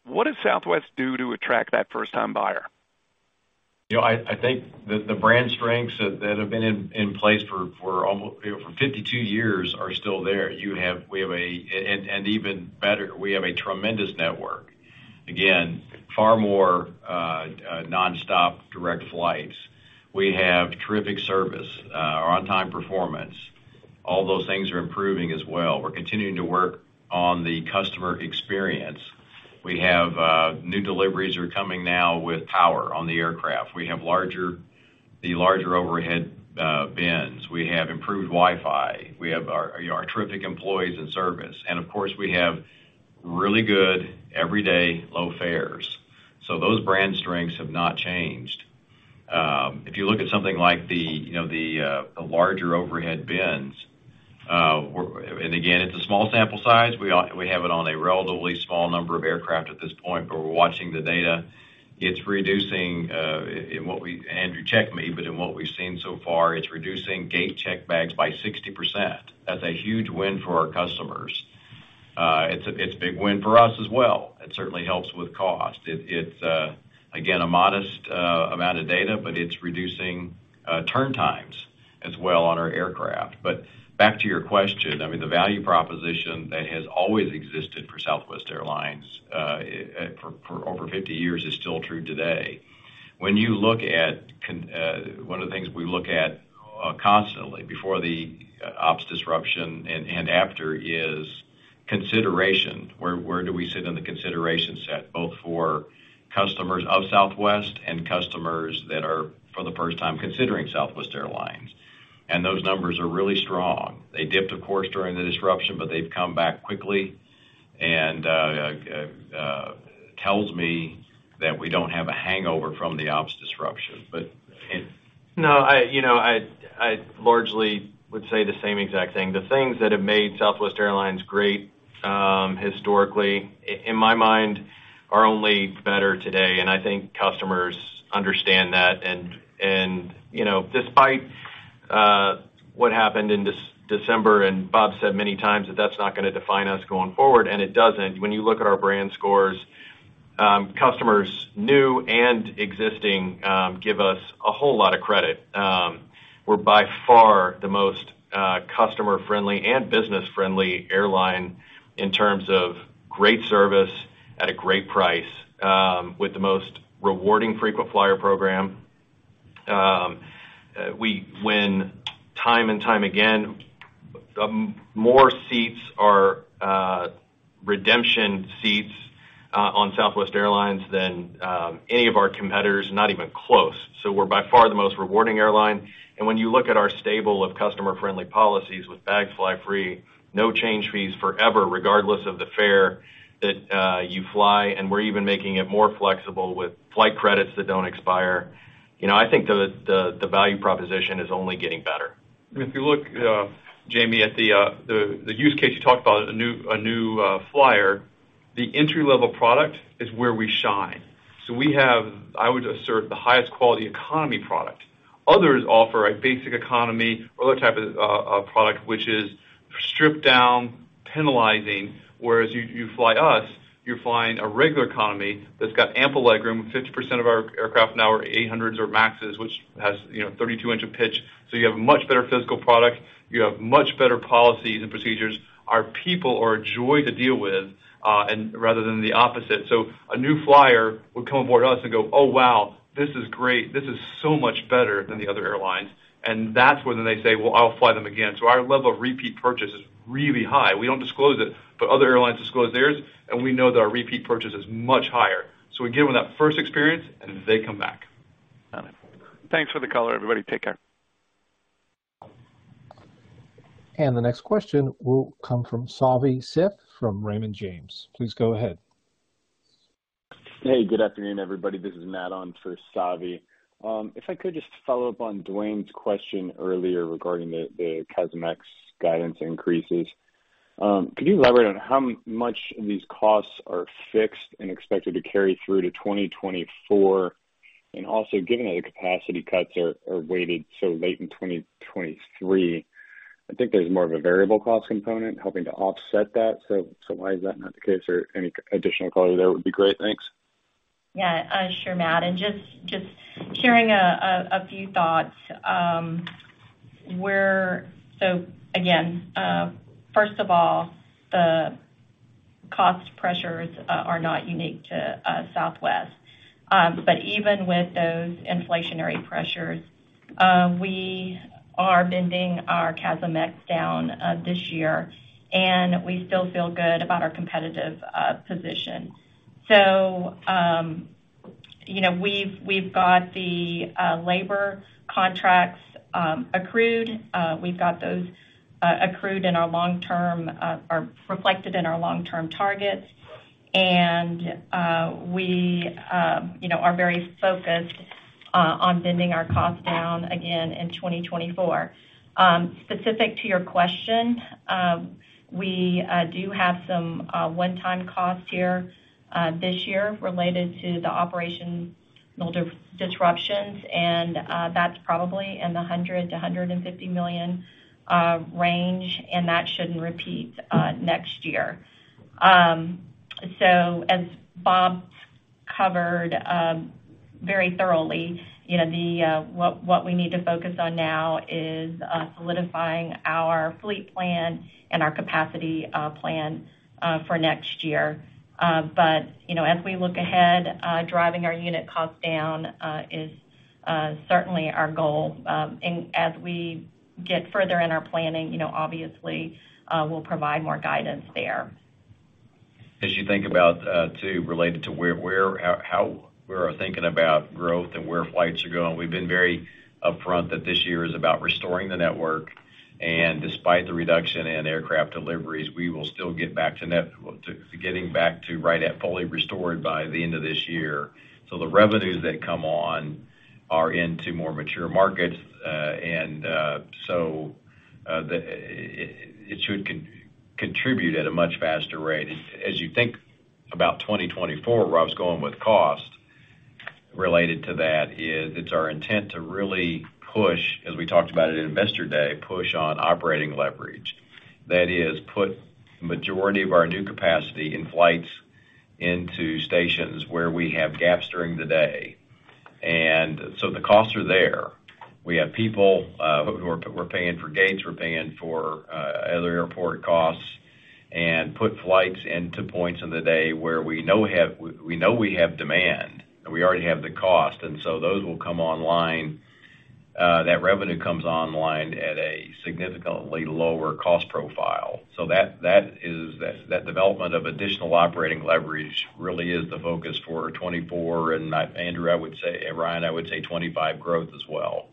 what does Southwest do to attract that first-time buyer? You know, I think that the brand strengths that have been in place for 52 years are still there. We have a tremendous network. Again, far more nonstop direct flights. We have terrific service. Our on-time performance, all those things are improving as well. We're continuing to work on the customer experience. We have new deliveries are coming now with power on the aircraft. We have the larger overhead bins. We have improved Wi-Fi. We have our, you know, our terrific employees and service. Of course, we have really good everyday low fares. Those brand strengths have not changed. If you look at something like the, you know, the larger overhead bins, again, it's a small sample size. We have it on a relatively small number of aircraft at this point, but we're watching the data. It's reducing, and what Andrew, check me, but in what we've seen so far, it's reducing gate-checked bags by 60%. That's a huge win for our customers. It's a big win for us as well. It certainly helps with cost. It's again, a modest amount of data, but it's reducing turn times as well on our aircraft. Back to your question. I mean, the value proposition that has always existed for Southwest Airlines for over 50 years is still true today. When you look at one of the things we look at constantly before the ops disruption and after is consideration. Where do we sit in the consideration set, both for customers of Southwest and customers that are, for the first time, considering Southwest Airlines? Those numbers are really strong. They dipped, of course, during the disruption, but they've come back quickly. Tells me that we don't have a hangover from the ops disruption, but. I, you know, I largely would say the same exact thing. The things that have made Southwest Airlines great, historically, in my mind, are only better today, I think customers understand that. You know, despite what happened in December, Bob said many times that that's not gonna define us going forward, it doesn't. When you look at our brand scores, customers, new and existing, give us a whole lot of credit. We're by far the most customer-friendly and business-friendly airline in terms of great service at a great price, with the most rewarding frequent flyer program. When time and time again, more seats are redemption seats on Southwest Airlines than any of our competitors, not even close. We're by far the most rewarding airline. When you look at our stable of customer-friendly policies with Bags Fly Free, no change fees forever, regardless of the fare that you fly, and we're even making it more flexible with flight credits that don't expire. You know, I think the value proposition is only getting better. If you look, Jamie, at the use case you talked about, a new flyer, the entry-level product is where we shine. We have, I would assert, the highest quality economy product. Others offer a basic economy or other type of a product which is stripped down, penalizing, whereas you fly us, you're flying a regular economy that's got ample legroom. 50% of our aircraft now are eight hundreds or MAXes, which has, you know, 32 inch of pitch. You have a much better physical product. You have much better policies and procedures. Our people are a joy to deal with and rather than the opposite. A new flyer would come aboard us and go, "Oh, wow, this is great. This is so much better than the other airlines." That's when they say, "Well, I'll fly them again." Our level of repeat purchase is really high. We don't disclose it, but other airlines disclose theirs, and we know that our repeat purchase is much higher. We give them that first experience, and they come back. Got it. Thanks for the color, everybody. Take care. The next question will come from Savanthi Syth from Raymond James. Please go ahead. Hey, good afternoon, everybody. This is Matt on for Savi. If I could just follow up on Duane's question earlier regarding the CASM-ex guidance increases. Could you elaborate on how much these costs are fixed and expected to carry through to 2024? Given that the capacity cuts are weighted so late in 2023, I think there's more of a variable cost component helping to offset that. Why is that not the case? Any additional color there would be great. Thanks. Yeah. Sure, Matt. Just sharing a few thoughts. Again, first of all, the cost pressures are not unique to Southwest. Even with those inflationary pressures, we are bending our CASM-ex down this year, and we still feel good about our competitive position. You know, we've got the labor contracts accrued. We've got those accrued in our long-term or reflected in our long-term targets. We, you know, are very focused on bending our costs down again in 2024. Specific to your question, we do have some one-time costs here this year related to the operational disruptions. That's probably in the $100 million-$150 million range, and that shouldn't repeat next year. As Bob covered very thoroughly, you know, what we need to focus on now is solidifying our fleet plan and our capacity plan for next year. You know, as we look ahead, driving our unit costs down is certainly our goal. As we get further in our planning, you know, obviously, we'll provide more guidance there. As you think about too, related to where how we're thinking about growth and where flights are going, we've been very upfront that this year is about restoring the network. Despite the reduction in aircraft deliveries, we will still get back to getting back to right at fully restored by the end of this year. The revenues that come on are into more mature markets, and so it should contribute at a much faster rate. As you think about 2024, where I was going with cost related to that, is it's our intent to really push, as we talked about at Investor Day, push on operating leverage. That is, put majority of our new capacity in flights into stations where we have gaps during the day. The costs are there. We have people, we're paying for gates, we're paying for, other airport costs and put flights into points in the day where we know we have demand, and we already have the cost. Those will come online, that revenue comes online at a significantly lower cost profile. That is, that development of additional operating leverage really is the focus for 2024. Andrew, I would say Ryan, I would say 2025 growth as well.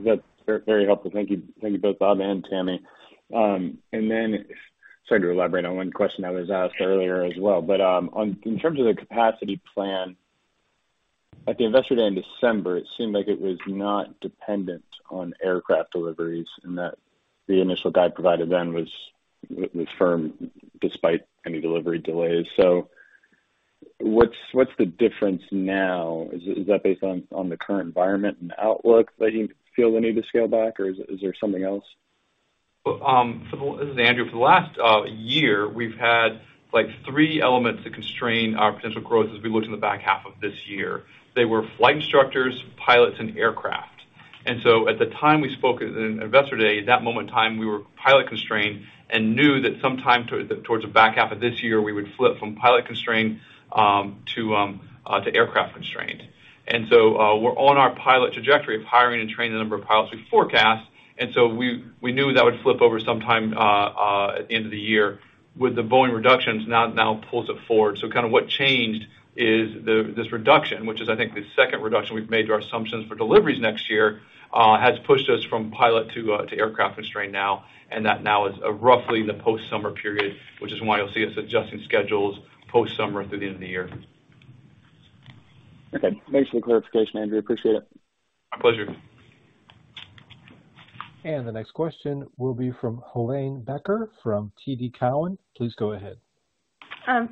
That's very helpful. Thank you. Thank you both, Bob and Tammy. Sorry to elaborate on 1 question that was asked earlier as well. In terms of the capacity plan, at the Investor Day in December, it seemed like it was not dependent on aircraft deliveries, and that the initial guide provided then was firm despite any delivery delays. What's the difference now? Is that based on the current environment and outlook that you feel the need to scale back, or is there something else? This is Andrew. For the last year, we've had three elements to constrain our potential growth as we looked in the back half of this year. They were flight instructors, pilots, and aircraft. At the time we spoke at Investor Day, at that moment in time, we were pilot constrained and knew that sometime towards the back half of this year, we would flip from pilot constrained to aircraft constrained. We're on our pilot trajectory of hiring and training the number of pilots we forecast. We knew that would flip over sometime at the end of the year. With the Boeing reductions, now it pulls it forward. Kind of what changed is the, this reduction, which is I think the second reduction we've made to our assumptions for deliveries next year, has pushed us from pilot to aircraft constraint now. That now is, roughly in the post-summer period, which is why you'll see us adjusting schedules post-summer through the end of the year. Okay. Thanks for the clarification, Andrew. Appreciate it. My pleasure. The next question will be from Helane Becker from TD Cowen. Please go ahead.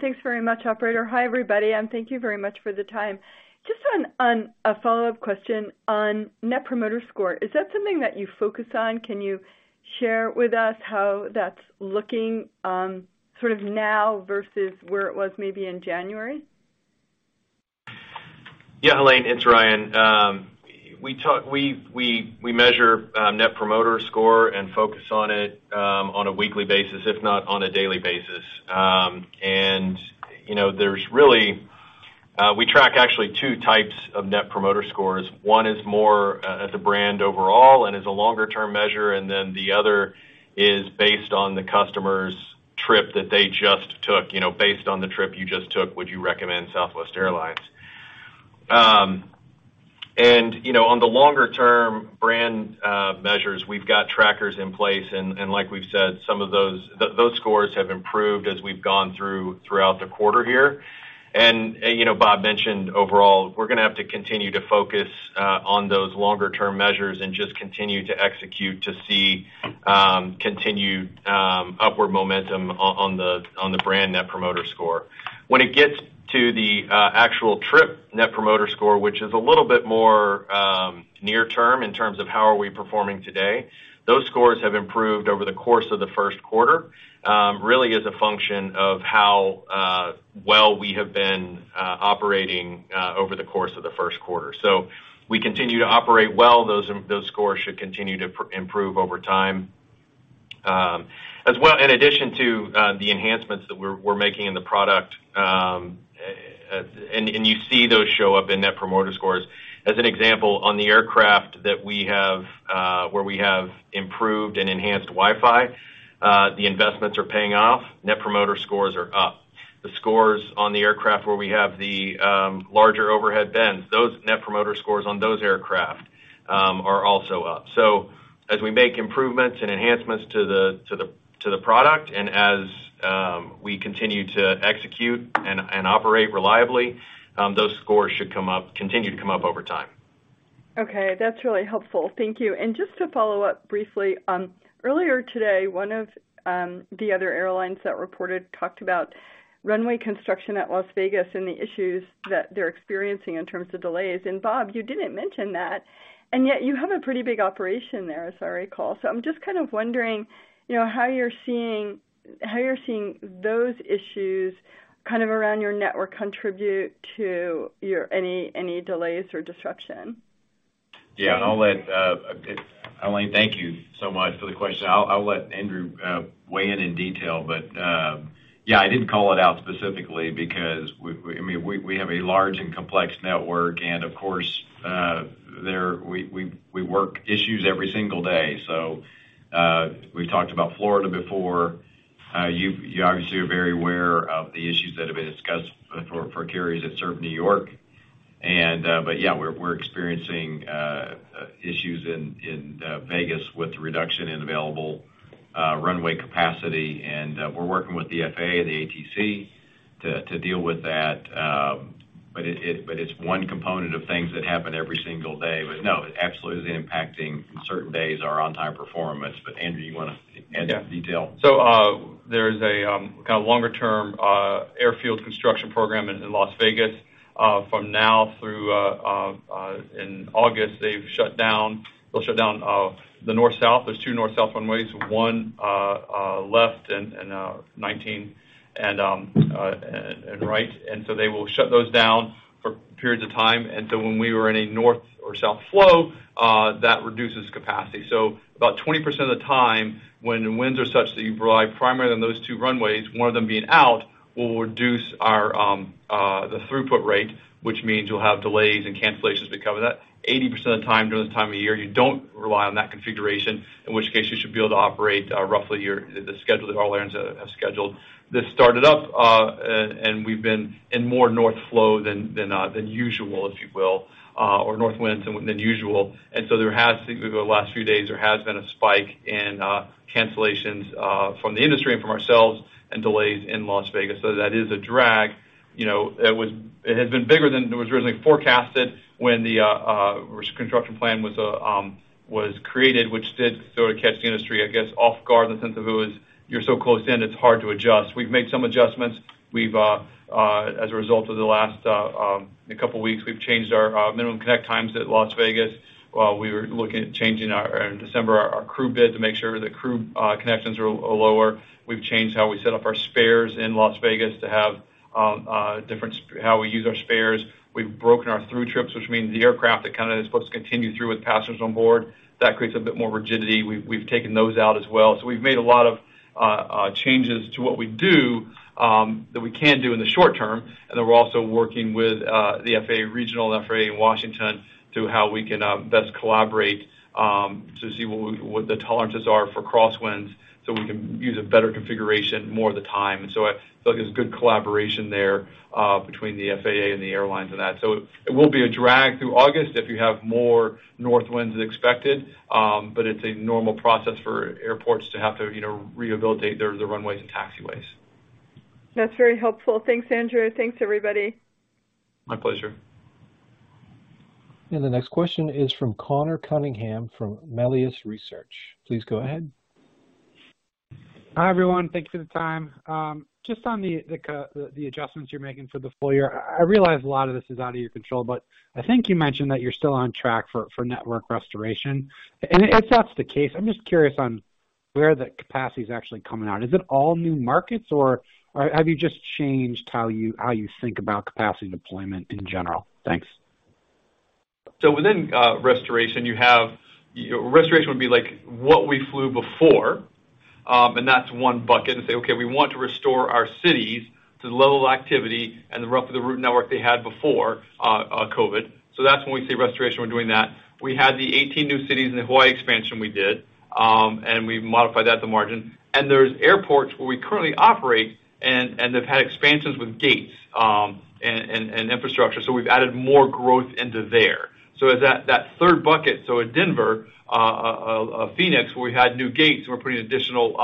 Thanks very much, operator. Hi, everybody, thank you very much for the time. Just on a follow-up question on Net Promoter Score, is that something that you focus on? Can you share with us how that's looking, sort of now versus where it was maybe in January? Yeah, Helane, it's Ryan. We measure Net Promoter Score and focus on it on a weekly basis, if not on a daily basis. You know, there's really. We track actually two types of Net Promoter Scores. One is more at the brand overall and is a longer-term measure, and then the other is based on the customer's trip that they just took. You know, based on the trip you just took, would you recommend Southwest Airlines? You know, on the longer term brand measures, we've got trackers in place, and like we've said, some of those those scores have improved as we've gone through throughout the quarter here. You know, Bob mentioned overall, we're gonna have to continue to focus on those longer term measures and just continue to execute to see continued upward momentum on the brand Net Promoter Score. When it gets to the actual trip Net Promoter Score, which is a little bit more near term in terms of how are we performing today, those scores have improved over the course of the first quarter, really as a function of how well we have been operating over the course of the first quarter. We continue to operate well, those scores should continue to improve over time. In addition to the enhancements that we're making in the product, and you see those show up in Net Promoter Scores. As an example, on the aircraft that we have where we have improved and enhanced Wi-Fi, the investments are paying off. Net Promoter Scores are up. The scores on the aircraft where we have the larger overhead bins, those Net Promoter Scores on those aircraft are also up. As we make improvements and enhancements to the, to the, to the product and as we continue to execute and operate reliably, those scores should continue to come up over time. Okay, that's really helpful. Thank you. Just to follow up briefly, earlier today, one of the other airlines that reported talked about runway construction at Las Vegas and the issues that they're experiencing in terms of delays. Bob, you didn't mention that, and yet you have a pretty big operation there, as I recall. I'm just kind of wondering, you know, how you're seeing those issues kind of around your network contribute to your any delays or disruption. Yeah. I'll let Elaine, thank you so much for the question. I'll let Andrew weigh in in detail. Yeah, I didn't call it out specifically because I mean, we have a large and complex network and of course, there we work issues every single day. We've talked about Florida before. You obviously are very aware of the issues that have been discussed for carriers that serve New York. Yeah, we're experiencing issues in Vegas with the reduction in available runway capacity. We're working with the FAA and the ATC to deal with that. But it's one component of things that happen every single day. No, it absolutely is impacting certain days our on time performance. Andrew, you wanna add detail? There's a kind of longer term airfield construction program in Las Vegas from now through in August. They'll shut down the north-south. There's two north-south runways, one left in 19 and right. They will shut those down for periods of time. When we were in a north or south flow, that reduces capacity. About 20% of the time when the winds are such that you rely primarily on those two runways, one of them being out, will reduce our the throughput rate, which means you'll have delays and cancellations to cover that. 80% of the time during the time of year, you don't rely on that configuration, in which case you should be able to operate roughly the schedule that all airlines have scheduled. This started up. We've been in more north flow than usual, if you will, or north winds than usual. There has, you know, the last few days there has been a spike in cancellations from the industry and from ourselves and delays in Las Vegas. That is a drag. You know, it has been bigger than was originally forecasted when the construction plan was created, which did sort of catch the industry, I guess, off guard in the sense of it was you're so close in, it's hard to adjust. We've made some adjustments. We've as a result of the last couple weeks, we've changed our minimum connect times at Las Vegas. We were looking at changing our, in December, our crew bid to make sure the crew connections are lower. We've changed how we set up our spares in Las Vegas to have different how we use our spares. We've broken our through trips, which means the aircraft that kind of is supposed to continue through with passengers on board, that creates a bit more rigidity. We've taken those out as well. We've made a lot of changes to what we do that we can do in the short term. We're also working with the FAA regional, FAA in Washington to how we can best collaborate to see what the tolerances are for crosswinds so we can use a better configuration more of the time. I feel like there's good collaboration there between the FAA and the airlines on that. It will be a drag through August if you have more north winds than expected. It's a normal process for airports to have to, you know, rehabilitate the runways and taxiways. That's very helpful. Thanks, Andrew. Thanks, everybody. My pleasure. The next question is from Conor Cunningham, from Melius Research. Please go ahead. Hi, everyone. Thanks for the time. Just on the adjustments you're making for the full year. I realize a lot of this is out of your control, but I think you mentioned that you're still on track for network restoration. If that's the case, I'm just curious on where the capacity is actually coming out. Is it all new markets or have you just changed how you think about capacity deployment in general? Thanks. Within restoration, Restoration would be like what we flew before. That's one bucket and say, okay, we want to restore our cities to the level of activity and the rough of the route network they had before COVID. That's when we say restoration, we're doing that. We had the 18 new cities in the Hawaii expansion we did, and we've modified that to margin. There's airports where we currently operate, and they've had expansions with gates, and infrastructure. We've added more growth into there. That, that third bucket, so at Denver, Phoenix, where we had new gates, we're putting additional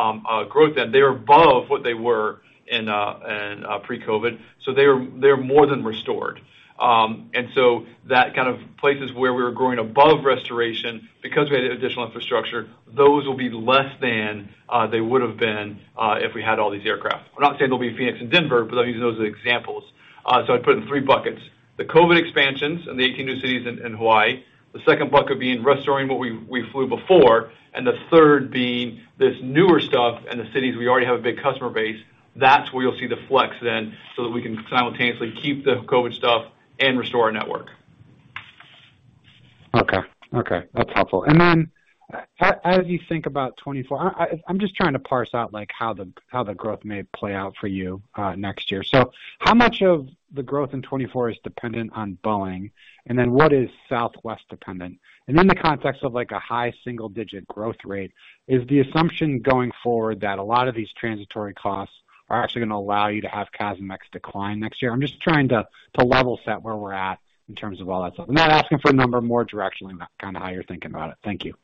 growth in. They're above what they were in pre-COVID, so they're more than restored. That kind of places where we were growing above restoration because we had additional infrastructure, those will be less than, they would have been, if we had all these aircraft. We're not saying they'll be Phoenix and Denver, but I'm using those as examples. I put in three buckets, the COVID expansions and the 18 new cities in Hawaii. The second bucket being restoring what we flew before, and the third being this newer stuff and the cities we already have a big customer base. That's where you'll see the flex then, so that we can simultaneously keep the COVID stuff and restore our network. Okay. Okay, that's helpful. As you think about 2024, I'm just trying to parse out, like, how the growth may play out for you next year. How much of the growth in 2024 is dependent on Boeing, and then what is Southwest dependent? In the context of, like, a high single-digit growth rate, is the assumption going forward that a lot of these transitory costs are actually gonna allow you to have CASM-ex decline next year? I'm just trying to level set where we're at in terms of all that stuff. I'm not asking for a number more directionally, kind of how you're thinking about it. Thank you.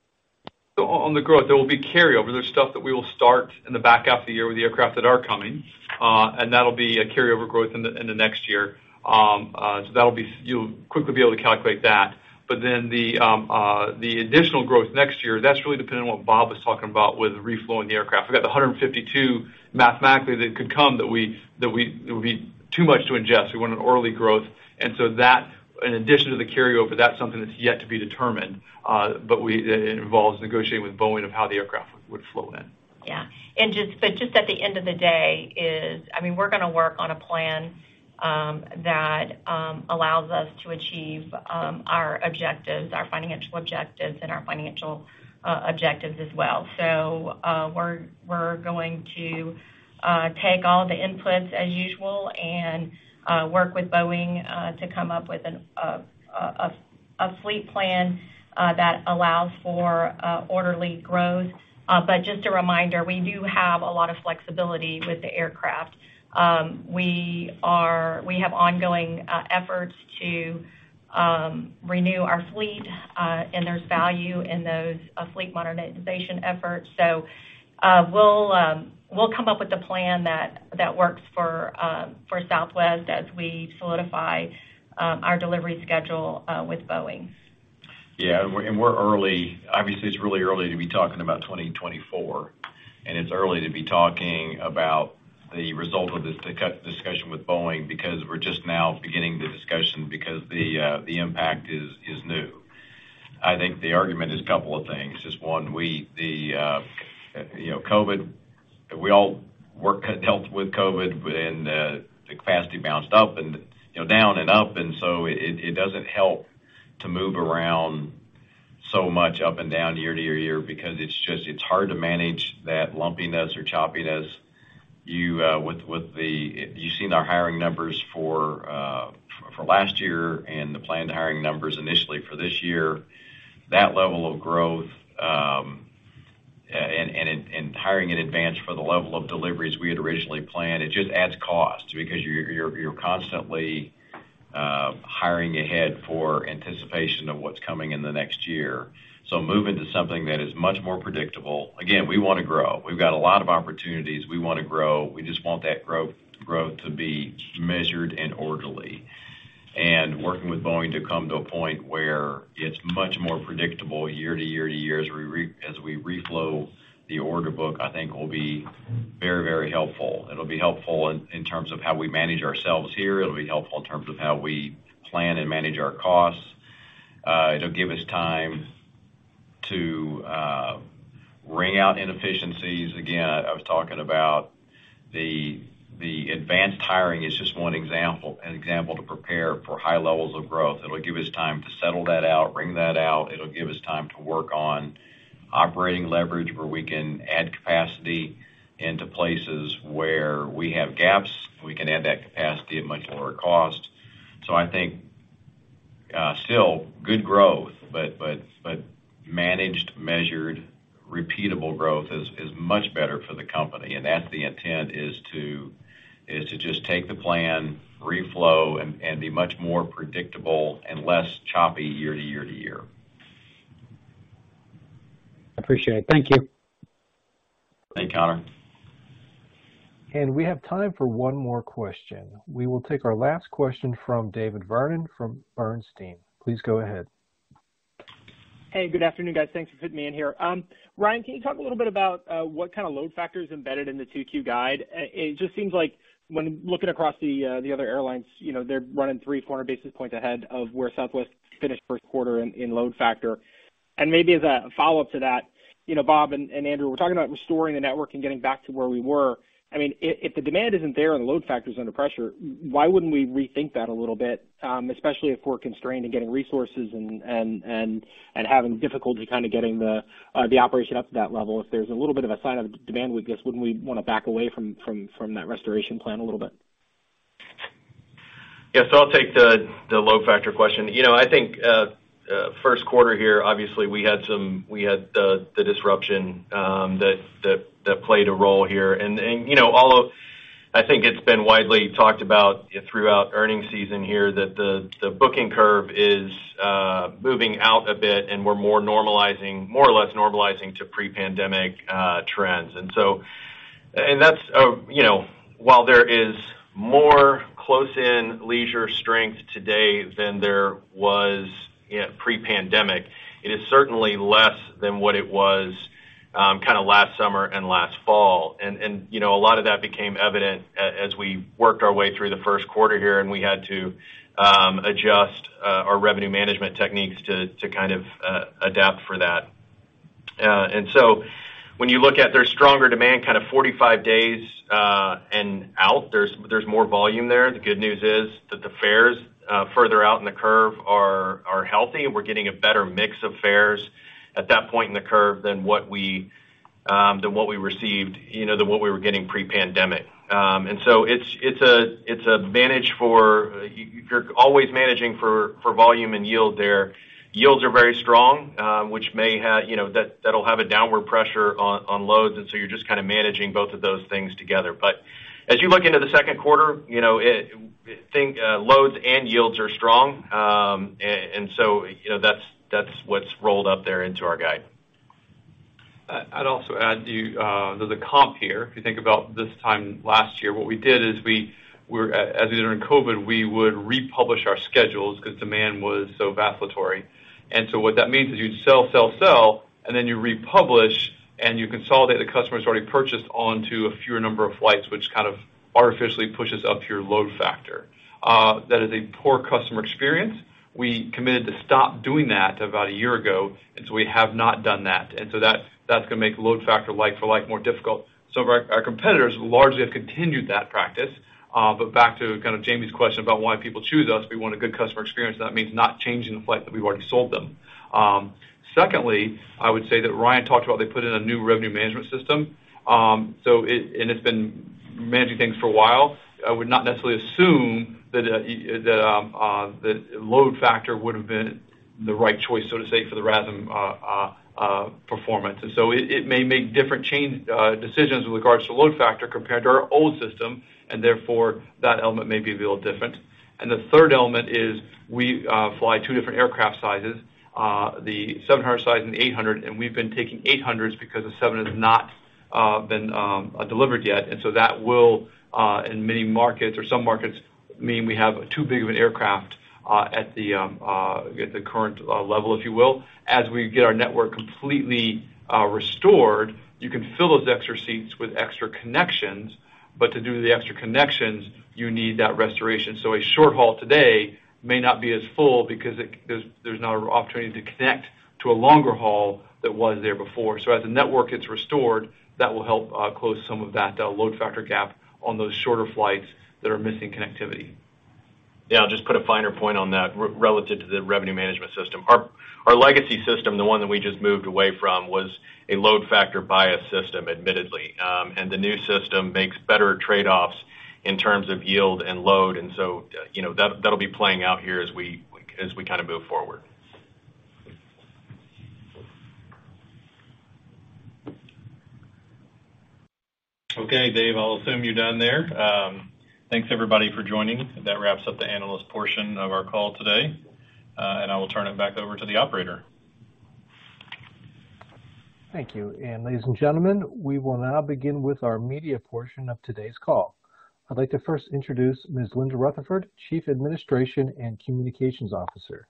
On the growth, there will be carryover. There's stuff that we will start in the back half of the year with the aircraft that are coming, and that'll be a carryover growth in the, in the next year. That'll be you'll quickly be able to calculate that. The additional growth next year, that's really dependent on what Bob was talking about with reflowing the aircraft. We've got the 152 mathematically that could come that we it would be too much to ingest. We want an orderly growth, and so that in addition to the carryover, that's something that's yet to be determined, but we it involves negotiating with Boeing of how the aircraft would flow in. Yeah. Just at the end of the day is, I mean, we're gonna work on a plan, that allows us to achieve our objectives, our financial objectives and our financial objectives as well. We're going to take all the inputs as usual and work with Boeing to come up with a fleet plan that allows for orderly growth. Just a reminder, we do have a lot of flexibility with the aircraft. We have ongoing efforts to renew our fleet, and there's value in those fleet modernization efforts. We'll come up with a plan that works for Southwest as we solidify our delivery schedule with Boeing. Yeah. We're, and we're early. Obviously it's really early to be talking about 2024, It's early to be talking about the result of this discussion with Boeing because we're just now beginning the discussion because the impact is new. I think the argument is a couple of things, is one, we, you know, COVID, we all dealt with COVID and the capacity bounced up and, you know, down and up, It, it doesn't help to move around so much up and down year to year to year because it's just it's hard to manage that lumpiness or choppiness. You with the. You've seen our hiring numbers for last year and the planned hiring numbers initially for this year. That level of growth, and hiring in advance for the level of deliveries we had originally planned, it just adds cost because you're constantly hiring ahead for anticipation of what's coming in the next year. Moving to something that is much more predictable. Again, we wanna grow. We've got a lot of opportunities. We wanna grow. We just want that growth to be measured and orderly. Working with Boeing to come to a point where it's much more predictable year to year to year as we reflow the order book, I think will be very, very helpful. It'll be helpful in terms of how we manage ourselves here. It'll be helpful in terms of how we plan and manage our costs. It'll give us time to wring out inefficiencies. I was talking about the advanced hiring is just one example to prepare for high levels of growth. It'll give us time to settle that out, wring that out. It'll give us time to work on operating leverage, where we can add capacity into places where we have gaps, we can add that capacity at much lower cost. I think still good growth, but managed, measured, repeatable growth is much better for the company. That's the intent, is to just take the plan, reflow and be much more predictable and less choppy year to year to year. Appreciate it. Thank you. Thanks, Conor. We have time for one more question. We will take our last question from David Vernon from Bernstein. Please go ahead. Hey, good afternoon, guys. Thanks for fitting me in here. Ryan, can you talk a little bit about what kind of load factor is embedded in the 2Q guide? It just seems like when looking across the other airlines, you know, they're running 300-400 basis points ahead of where Southwest finished first quarter in load factor. Maybe as a follow-up to that, you know, Bob and Andrew, we're talking about restoring the network and getting back to where we were. I mean, if the demand isn't there and the load factor's under pressure, why wouldn't we rethink that a little bit? Especially if we're constrained in getting resources and having difficulty kind of getting the operation up to that level. If there's a little bit of a sign of demand weakness, wouldn't we wanna back away from that restoration plan a little bit? Yeah. I'll take the load factor question. You know, I think first quarter here, obviously we had the disruption that played a role here. You know, although I think it's been widely talked about throughout earnings season here that the booking curve is moving out a bit and we're more normalizing, more or less normalizing to pre-pandemic trends. That's, you know, while there is more close in leisure strength today than there was pre-pandemic, it is certainly less than what it was. Kind of last summer and last fall. You know, a lot of that became evident as we worked our way through the first quarter here, we had to adjust our revenue management techniques to kind of adapt for that. When you look at their stronger demand, kind of 45 days and out, there's more volume there. The good news is that the fares further out in the curve are healthy, and we're getting a better mix of fares at that point in the curve than what we than what we received, you know, than what we were getting pre-pandemic. It's a, it's advantage for You're always managing for volume and yield there. Yields are very strong, which You know, that'll have a downward pressure on loads, and so you're just kind of managing both of those things together. As you look into the second quarter, you know, it think loads and yields are strong. You know, that's what's rolled up there into our guide. I'd also add to the comp here. If you think about this time last year, what we did is we were, as we did during COVID, we would republish our schedules because demand was so vacillatory. What that means is you sell, sell, and then you republish, and you consolidate the customers who already purchased onto a fewer number of flights, which kind of artificially pushes up your load factor. That is a poor customer experience. We committed to stop doing that about a year ago, we have not done that. That's gonna make load factor like for like more difficult. Some of our competitors largely have continued that practice. Back to kind of Jamie's question about why people choose us, we want a good customer experience. That means not changing the flight that we've already sold them. Secondly, I would say that Ryan talked about they put in a new revenue management system, so it's been managing things for a while. I would not necessarily assume that the load factor would have been the right choice, so to say, for the RASM performance. It may make different change decisions with regards to load factor compared to our old system, and therefore, that element may be a little different. The third element is we fly two different aircraft sizes, the 700 size and the 800, and we've been taking 800s because the seven has not been delivered yet. That will in many markets or some markets, mean we have too big of an aircraft at the current level, if you will. As we get our network completely restored, you can fill those extra seats with extra connections. To do the extra connections, you need that restoration. A short haul today may not be as full because there's not an opportunity to connect to a longer haul that was there before. As the network gets restored, that will help close some of that load factor gap on those shorter flights that are missing connectivity. Yeah. I'll just put a finer point on that relative to the revenue management system. Our legacy system, the one that we just moved away from, was a load factor bias system, admittedly. The new system makes better trade-offs in terms of yield and load. You know, that'll be playing out here as we kind of move forward. Okay, Dave, I'll assume you're done there. Thanks everybody for joining. That wraps up the analyst portion of our call today. I will turn it back over to the operator. Thank you. Ladies and gentlemen, we will now begin with our media portion of today's call. I'd like to first introduce Ms. Linda Rutherford, Chief Administration and Communications Officer.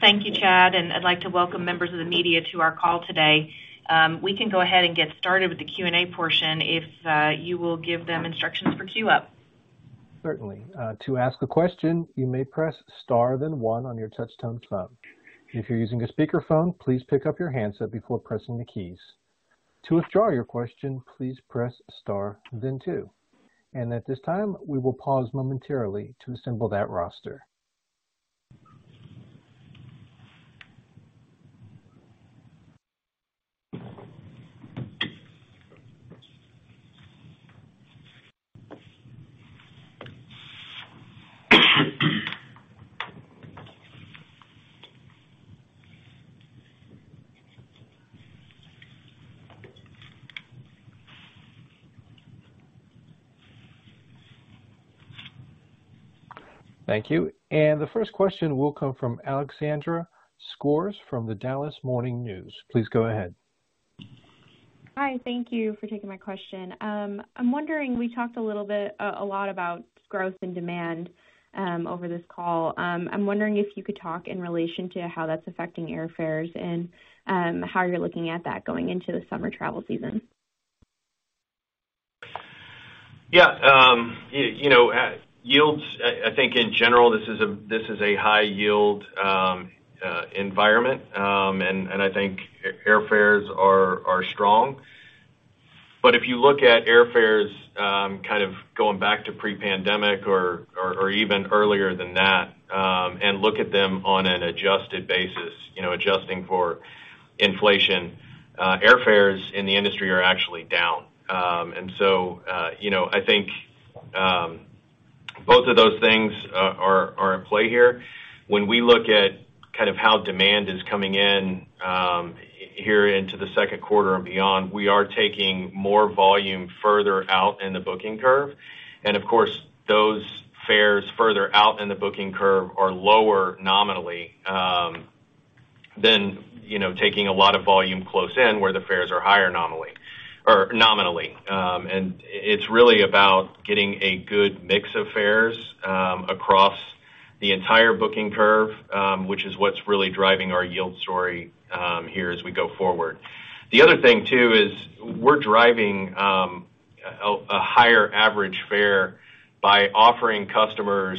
Thank you, Chad. I'd like to welcome members of the media to our call today. We can go ahead and get started with the Q&A portion if you will give them instructions for queue up. Certainly. To ask a question, you may Press Star, then one on your touchtone phone. If you're using a speaker phone, please pick up your handset before pressing the keys. To withdraw your question, please press Star then two. At this time, we will pause momentarily to assemble that roster. Thank you. The first question will come from Alexandra Skores from The Dallas Morning News. Please go ahead. Hi, thank you for taking my question. I'm wondering, we talked a little bit, a lot about growth and demand, over this call. I'm wondering if you could talk in relation to how that's affecting airfares and how you're looking at that going into the summer travel season. Yeah, you know, yields, I think in general, this is a, this is a high yield environment. I think airfares are strong. If you look at airfares, kind of going back to pre-pandemic or even earlier than that, and look at them on an adjusted basis, you know, adjusting for inflation, airfares in the industry are actually down. You know, I think both of those things are in play here. When we look at kind of how demand is coming in, here into the second quarter and beyond, we are taking more volume further out in the booking curve. Of course, those fares further out in the booking curve are lower nominally, than, you know, taking a lot of volume close in where the fares are higher nominally. It's really about getting a good mix of fares across. The entire booking curve, which is what's really driving our yield story, here as we go forward. The other thing too is we're driving a higher average fare by offering customers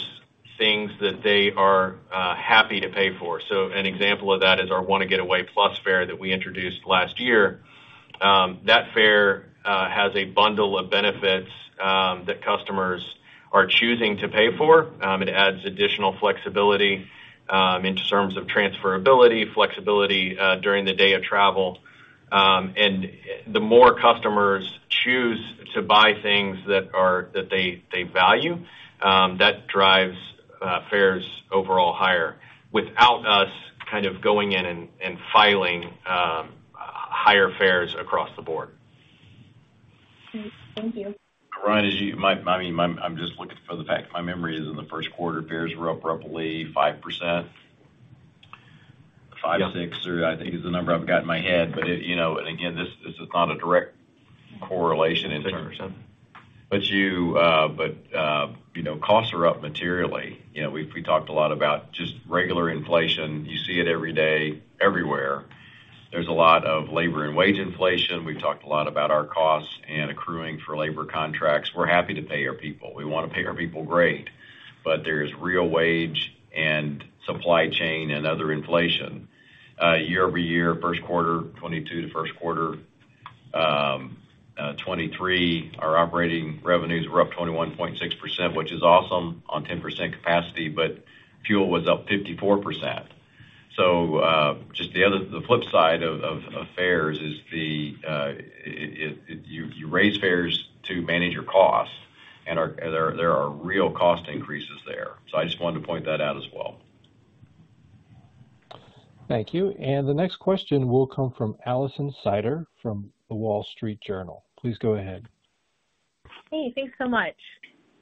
things that they are happy to pay for. An example of that is our Wanna Get Away Plus fare that we introduced last year. That fare has a bundle of benefits that customers are choosing to pay for. It adds additional flexibility in terms of transferability, flexibility during the day of travel. The more customers choose to buy things that they value, that drives fares overall higher without us kind of going in and filing higher fares across the board. Great. Thank you. Ryan, just looking for the fact, my memory is in the first quarter, fares were up roughly 5%. five, six or I think is the number I've got in my head. You know, and again, this is not a direct correlation. You know, costs are up materially. You know, we talked a lot about just regular inflation. You see it every day, everywhere. There's a lot of labor and wage inflation. We've talked a lot about our costs and accruing for labor contracts. We're happy to pay our people. We wanna pay our people great, but there's real wage and supply chain and other inflation. Year-over-year, first quarter 2022 to first quarter 2023, our operating revenues were up 21.6%, which is awesome on 10% capacity, but fuel was up 54%. Just the flip side of fares is, you raise fares to manage your costs, and there are real cost increases there. I just wanted to point that out as well. Thank you. The next question will come from Alison Sider from The Wall Street Journal. Please go ahead. Hey, thanks so much.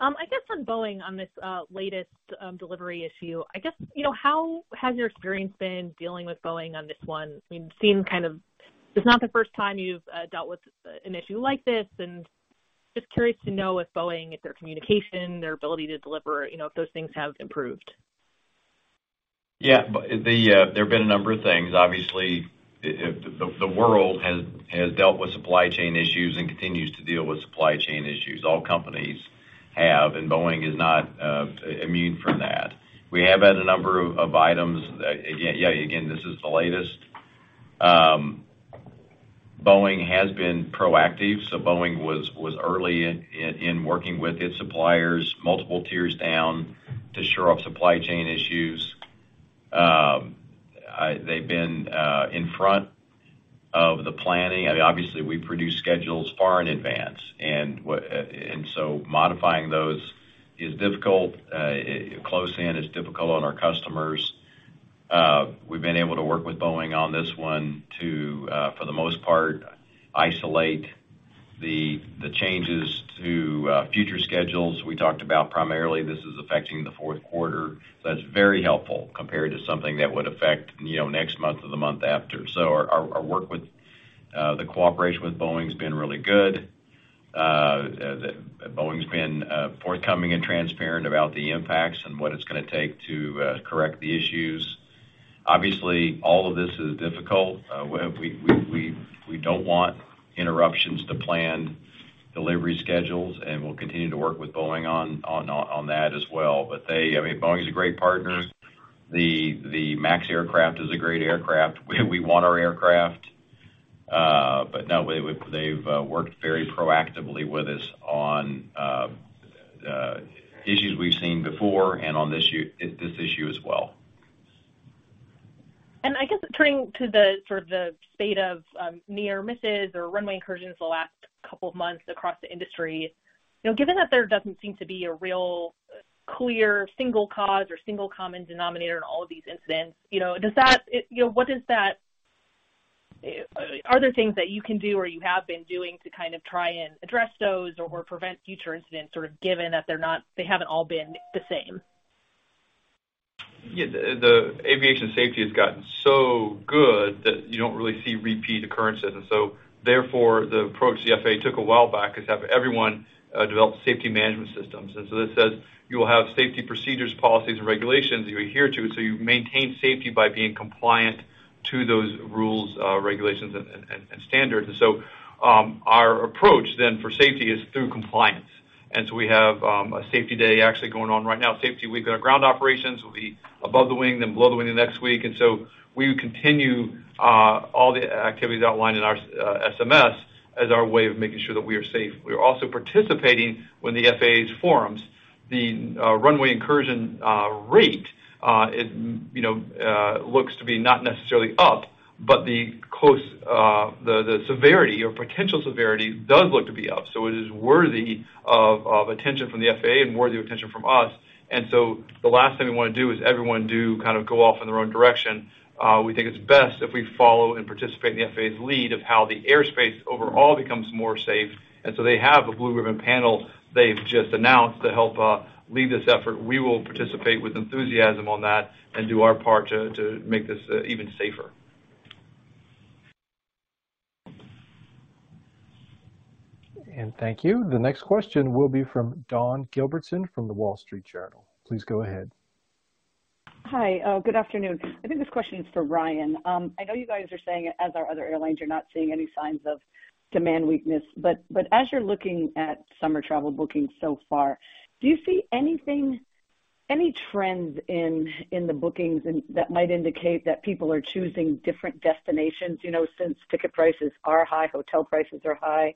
I guess on Boeing on this latest delivery issue. I guess, you know, how has your experience been dealing with Boeing on this one? I mean, it seems kind of. It's not the first time you've dealt with an issue like this, and just curious to know if Boeing, if their communication, their ability to deliver, you know, if those things have improved? Yeah. The there have been a number of things. Obviously, the world has dealt with supply chain issues and continues to deal with supply chain issues. All companies have, Boeing is not immune from that. We have had a number of items. Yeah, again, this is the latest. Boeing has been proactive, Boeing was early in working with its suppliers multiple tiers down to shore up supply chain issues. They've been in front of the planning. I mean, obviously, we produce schedules far in advance. Modifying those is difficult. Close in is difficult on our customers. We've been able to work with Boeing on this one to for the most part, isolate the changes to future schedules. We talked about primarily this is affecting the fourth quarter. That's very helpful compared to something that would affect, you know, next month or the month after. Our work with the cooperation with Boeing has been really good. Boeing's been forthcoming and transparent about the impacts and what it's gonna take to correct the issues. Obviously, all of this is difficult. We don't want interruptions to planned delivery schedules, and we'll continue to work with Boeing on that as well. I mean, Boeing is a great partner. The MAX aircraft is a great aircraft. We want our aircraft. No, they've worked very proactively with us on issues we've seen before and on this issue as well. I guess turning to the sort of the state of near misses or runway incursions the last couple of months across the industry, you know, given that there doesn't seem to be a real clear single cause or single common denominator in all of these incidents, you know, what does that... Are there things that you can do or you have been doing to kind of try and address those or prevent future incidents, sort of given that they're not they haven't all been the same? The aviation safety has gotten so good that you don't really see repeat occurrences. Therefore, the approach the FAA took a while back is to have everyone develop Safety Management Systems. That says you will have safety procedures, policies, and regulations you adhere to, so you maintain safety by being compliant to those rules, regulations and standards. Our approach then for safety is through compliance. We have a safety day actually going on right now, safety week on our ground operations. We'll be above the wing, then below the wing the next week. We continue all the activities outlined in our SMS as our way of making sure that we are safe. We are also participating when the FAA's forums, the runway incursion rate, you know, looks to be not necessarily up, but the close, the severity or potential severity does look to be up. It is worthy of attention from the FAA and worthy of attention from us. The last thing we wanna do is everyone do kind of go off in their own direction. We think it's best if we follow and participate in the FAA's lead of how the airspace overall becomes more safe. They have a blue ribbon panel they've just announced to help lead this effort. We will participate with enthusiasm on that and do our part to make this even safer. Thank you. The next question will be from Dawn Gilbertson from The Wall Street Journal. Please go ahead. Hi, good afternoon. I think this question is for Ryan. I know you guys are saying, as are other airlines, you're not seeing any signs of demand weakness, but as you're looking at summer travel bookings so far, do you see anything, any trends in the bookings that might indicate that people are choosing different destinations? You know, since ticket prices are high, hotel prices are high,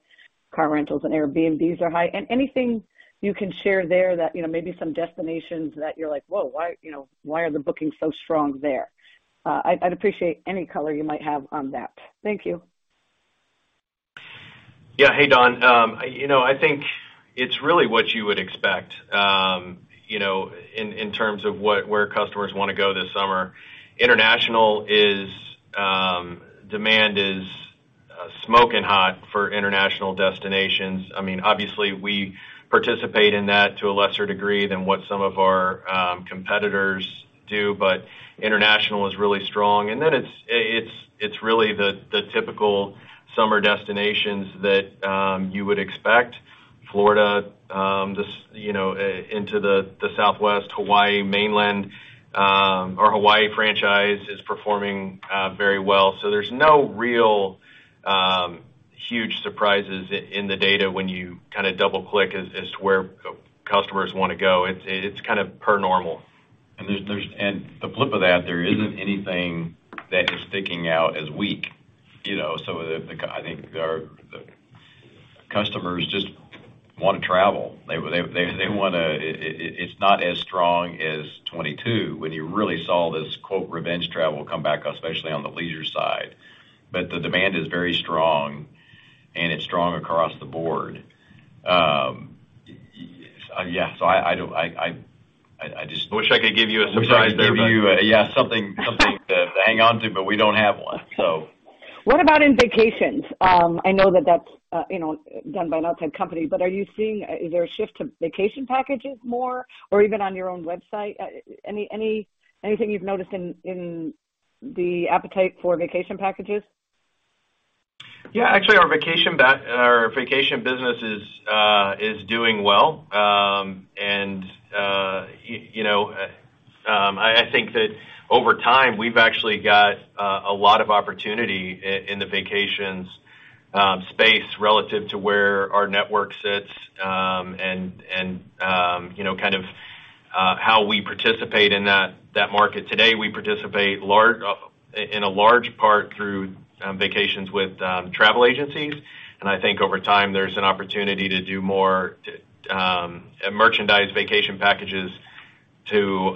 car rentals and Airbnbs are high. Anything you can share there that, you know, maybe some destinations that you're like, "Whoa, why," you know, "why are the bookings so strong there?" I'd appreciate any color you might have on that. Thank you. Yeah. Hey, Dawn. you know, I think it's really what you would expect, you know, in terms of where customers wanna go this summer. International is, demand is, smoking hot for international destinations. I mean, obviously, we participate in that to a lesser degree than what some of our competitors do, but international is really strong. It's, it's really the typical summer destinations that you would expect. Florida, just, you know, into the Southwest Hawaii mainland, our Hawaii franchise is performing very well. There's no real huge surprises in the data when you kinda double-click as to where customers wanna go. It's, it's kind of per normal. There's The flip of that, there isn't anything that is sticking out as weak, you know. I think our customers just wanna travel. They wanna. It's not as strong as 22 when you really saw this, quote, "revenge travel" come back, especially on the leisure side. The demand is very strong, and it's strong across the board. Yeah, I don't. I just Wish I could give you a surprise there, but- Wish I could give you a, yeah, something to hang on to. We don't have one, so. What about in vacations? I know that that's, you know, done by an outside company, but are you seeing? Is there a shift to vacation packages more or even on your own website? Anything you've noticed in the appetite for vacation packages? Yeah. Actually, our vacation business is doing well. You know, I think that over time, we've actually got a lot of opportunity in the vacations space relative to where our network sits, and you know, kind of how we participate in that market. Today, we participate in a large part through vacations with travel agencies. I think over time, there's an opportunity to do more merchandise vacation packages to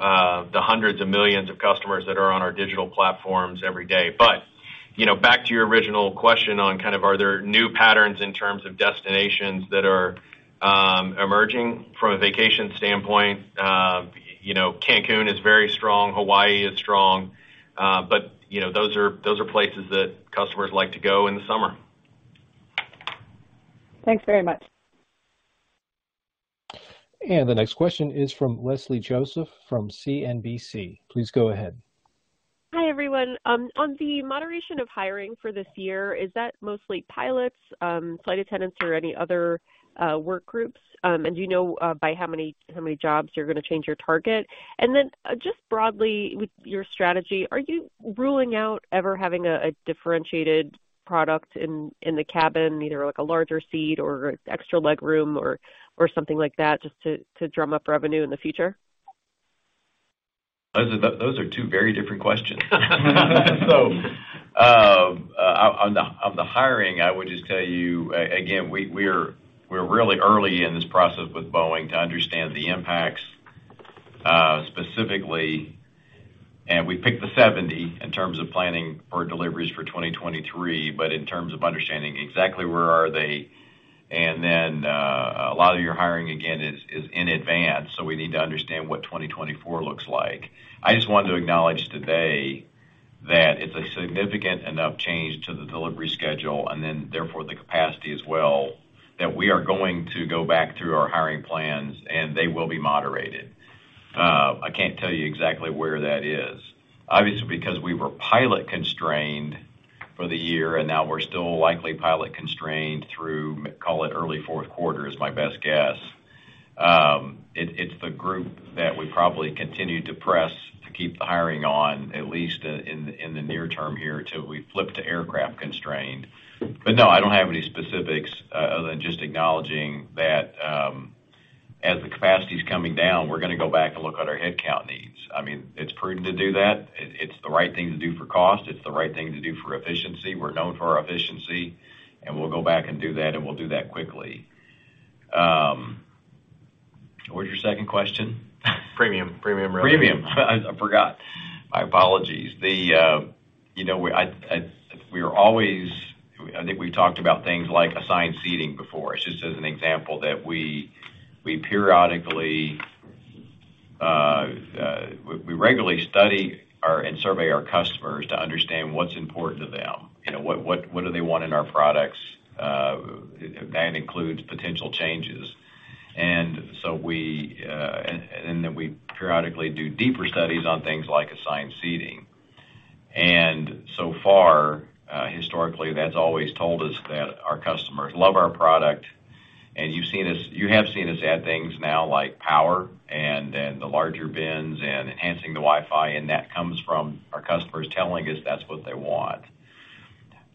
the hundreds of millions of customers that are on our digital platforms every day. You know, back to your original question on kind of are there new patterns in terms of destinations that are emerging from a vacation standpoint, you know, Cancun is very strong, Hawaii is strong, but, you know, those are places that customers like to go in the summer. Thanks very much. The next question is from Leslie Josephs from CNBC. Please go ahead. Hi, everyone. On the moderation of hiring for this year, is that mostly pilots, flight attendants or any other work groups? Do you know by how many jobs you're gonna change your target? Just broadly with your strategy, are you ruling out ever having a differentiated product in the cabin, either like a larger seat or extra leg room or something like that, just to drum up revenue in the future? Those are two very different questions. On the hiring, I would just tell you again, we're really early in this process with Boeing to understand the impacts specifically. We picked the 70 in terms of planning our deliveries for 2023, but in terms of understanding exactly where are they, and then a lot of your hiring, again, is in advance. We need to understand what 2024 looks like. I just wanted to acknowledge today that it's a significant enough change to the delivery schedule, and then therefore the capacity as well, that we are going to go back through our hiring plans, and they will be moderated. I can't tell you exactly where that is. Obviously, because we were pilot-constrained for the year, and now we're still likely pilot-constrained through, call it early fourth quarter is my best guess. It's the group that we probably continue to press to keep the hiring on at least in the near term here till we flip to aircraft constrained. No, I don't have any specifics, other than just acknowledging that, as the capacity is coming down, we're gonna go back and look at our headcount needs. I mean, it's prudent to do that. It's the right thing to do for cost. It's the right thing to do for efficiency. We're known for our efficiency, and we'll go back and do that, and we'll do that quickly. What was your second question? Premium. Premium revenue. Premium. I forgot. My apologies. You know, we're always... I think we talked about things like assigned seating before. It's just as an example that we periodically, we regularly study and survey our customers to understand what's important to them. You know, what do they want in our products? That includes potential changes. We. Then we periodically do deeper studies on things like assigned seating. So far, historically, that's always told us that our customers love our product. You have seen us add things now like power and then the larger bins and enhancing the Wi-Fi. That comes from our customers telling us that's what they want.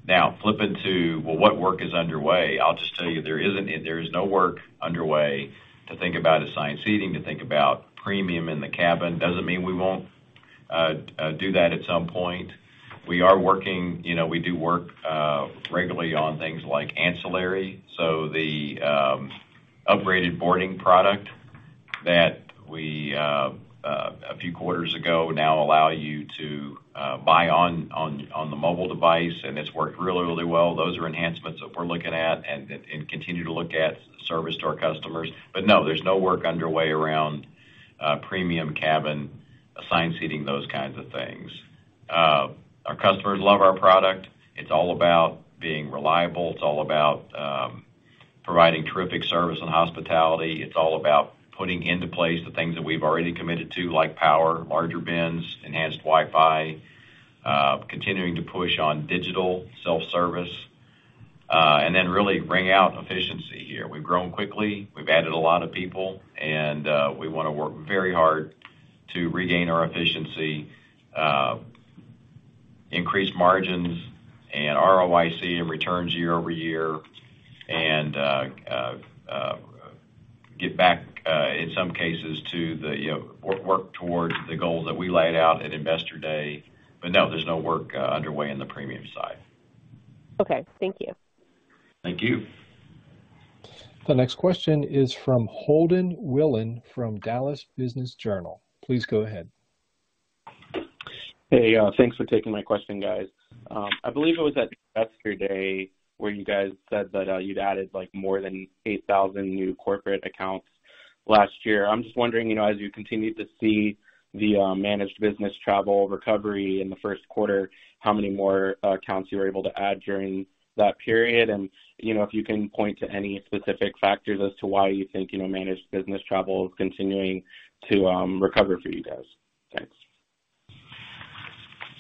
Now flipping to what work is underway, I'll just tell you there is no work underway to think about assigned seating, to think about premium in the cabin. Doesn't mean we won't do that at some point. We are working, you know, we do work regularly on things like ancillary. The upgraded boarding product that we a few quarters ago now allow you to buy on the mobile device, and it's worked really, really well. Those are enhancements that we're looking at and continue to look at service to our customers. No, there's no work underway around premium cabin, assigned seating, those kinds of things. Our customers love our product. It's all about being reliable. It's all about providing terrific service and hospitality. It's all about putting into place the things that we've already committed to, like power, larger bins, enhanced Wi-Fi, continuing to push on digital self-service, and then really wring out efficiency here. We've grown quickly, we've added a lot of people, and we wanna work very hard to regain our efficiency, increase margins and ROIC and returns year over year and get back in some cases to the, you know, work towards the goal that we laid out at Investor Day. No, there's no work underway in the premium side. Okay. Thank you. Thank you. The next question is from Holden Wilen from Dallas Business Journal. Please go ahead. Hey, thanks for taking my question, guys. I believe it was at Investor Day where you guys said that you'd added like more than 8,000 new corporate accounts last year. I'm just wondering, you know, as you continue to see the managed business travel recovery in the first quarter, how many more accounts you were able to add during that period? You know, if you can point to any specific factors as to why you think, you know, managed business travel is continuing to recover for you guys. Thanks.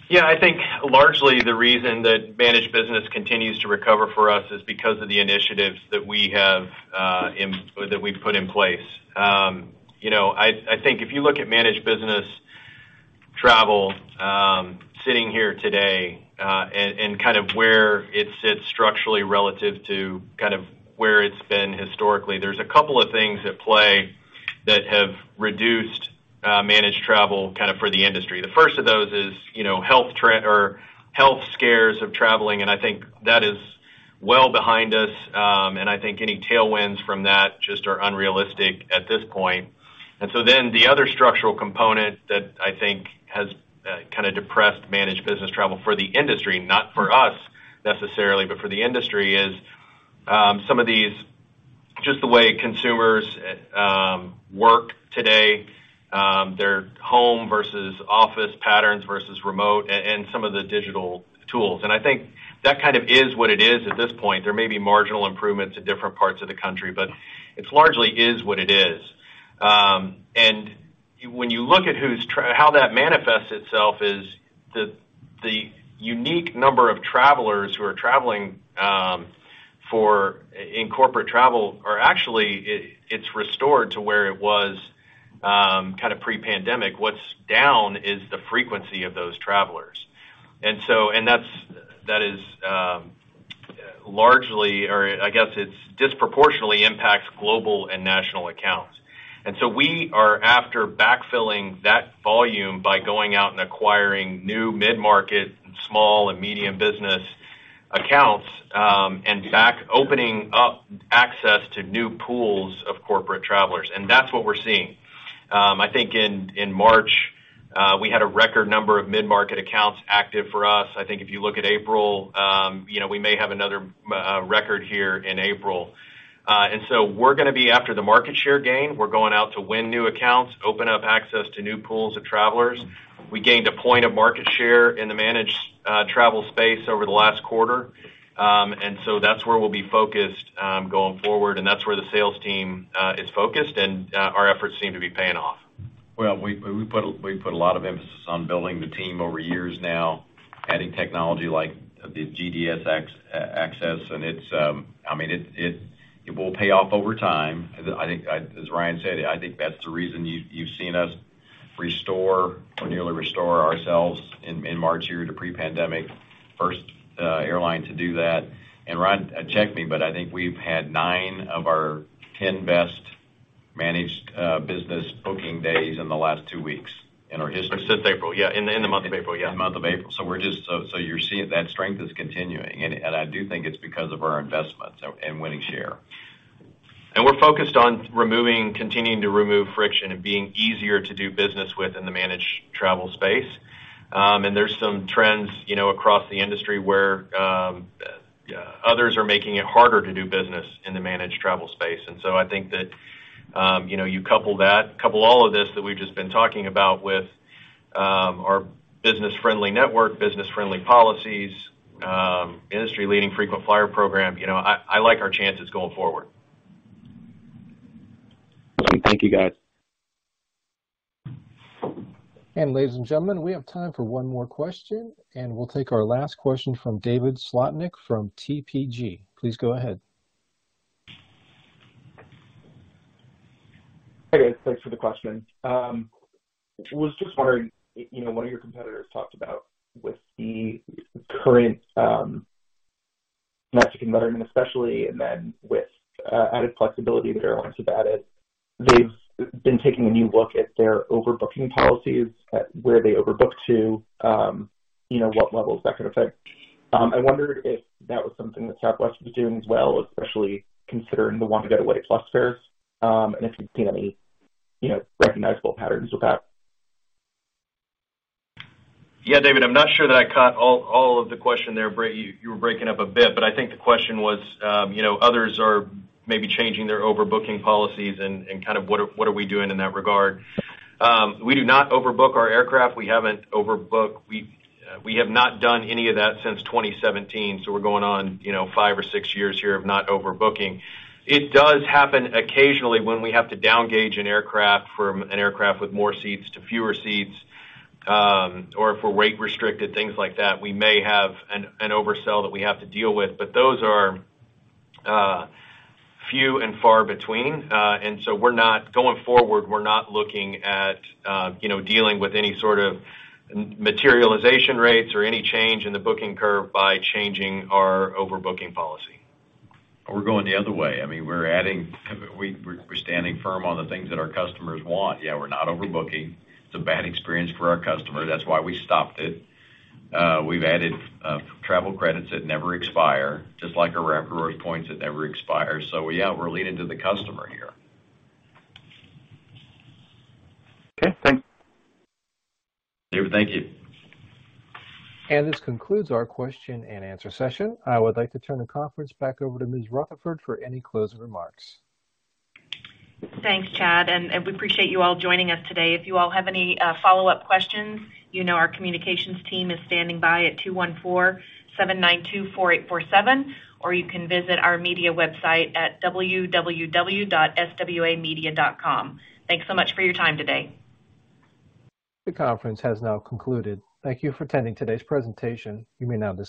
Yeah, I think largely the reason that managed business continues to recover for us is because of the initiatives that we have that we've put in place. You know, I think if you look at managed business travel, sitting here today, and kind of where it sits structurally relative to kind of where it's been historically, there's a couple of things at play that have reduced managed travel kind of for the industry. The first of those is, you know, health trend or health scares of traveling, and I think that is well behind us. And I think any tailwinds from that just are unrealistic at this point. The other structural component that I think has kinda depressed managed business travel for the industry, not for us necessarily, but for the industry, is some of these... Just the way consumers work today, their home versus office patterns versus remote and some of the digital tools. I think that kind of is what it is at this point. There may be marginal improvements in different parts of the country, but it's largely is what it is. When you look at who's how that manifests itself is the unique number of travelers who are traveling in corporate travel are actually, it's restored to where it was kind of pre-pandemic. What's down is the frequency of those travelers. That's, that is largely or I guess it's disproportionately impacts global and national accounts. We are after backfilling that volume by going out and acquiring new mid-market, small and medium business accounts, and opening up access to new pools of corporate travelers. That's what we're seeing. I think in March, we had a record number of mid-market accounts active for us. I think if you look at April, you know, we may have another record here in April. We're gonna be after the market share gain. We're going out to win new accounts, open up access to new pools of travelers. We gained 1 point of market share in the managed travel space over the last quarter. That's where we'll be focused going forward, and that's where the sales team is focused, our efforts seem to be paying off. Well, we put a lot of emphasis on building the team over years now, adding technology like the GDS access, I mean, it will pay off over time. I think, as Ryan said, I think that's the reason you've seen us restore or nearly restore ourselves in March here to pre-pandemic. First airline to do that. Ryan, check me, I think we've had 9 of our 10 best managed business booking days in the last two weeks in our history. Since April. Yeah. In the month of April, yeah. The month of April. You're seeing that strength is continuing. I do think it's because of our investments and winning share. We're focused on continuing to remove friction and being easier to do business with in the managed travel space. There's some trends, you know, across the industry where others are making it harder to do business in the managed travel space. I think that, you know, you couple that, couple all of this that we've just been talking about with our business-friendly network, business-friendly policies, industry-leading frequent flyer program. You know, I like our chances going forward. Thank you, guys. Ladies and gentlemen, we have time for one more question, and we'll take our last question from David Slotnick from TPG. Please go ahead. Hey, guys. Thanks for the question. was just wondering, you know, one of your competitors talked about with the current, matching better and especially and then with, added flexibility the airlines have added, they've been taking a new look at their overbooking policies, at where they overbook to, you know, what levels that could affect. I wondered if that was something that Southwest was doing as well, especially considering the Wanna Get Away Plus fares, and if you've seen any, you know, recognizable patterns with that. Yeah. David, I'm not sure that I caught all of the question there. You were breaking up a bit, but I think the question was, you know, others are maybe changing their overbooking policies and kind of what are we doing in that regard? We do not overbook our aircraft. We haven't overbooked. We have not done any of that since 2017, so we're going on, you know, five or six years here of not overbooking. It does happen occasionally when we have to downgauge an aircraft from an aircraft with more seats to fewer seats, or if we're weight restricted, things like that, we may have an oversell that we have to deal with. Those are few and far between. Going forward, we're not looking at, you know, dealing with any sort of materialization rates or any change in the booking curve by changing our overbooking policy. We're going the other way. I mean, we're standing firm on the things that our customers want. Yeah, we're not overbooking. It's a bad experience for our customer. That's why we stopped it. We've added travel credits that never expire, just like our Rapid Rewards points that never expire. Yeah, we're leaning to the customer here. Okay. Thanks. David, thank you. This concludes our question-and-answer session. I would like to turn the conference back over to Ms. Rutherford for any closing remarks. Thanks, Chad, and we appreciate you all joining us today. If you all have any follow-up questions, you know our communications team is standing by at 214-792-4847, or you can visit our media website at www.swamedia.com. Thanks so much for your time today. The conference has now concluded. Thank you for attending today's presentation. You may now disconnect.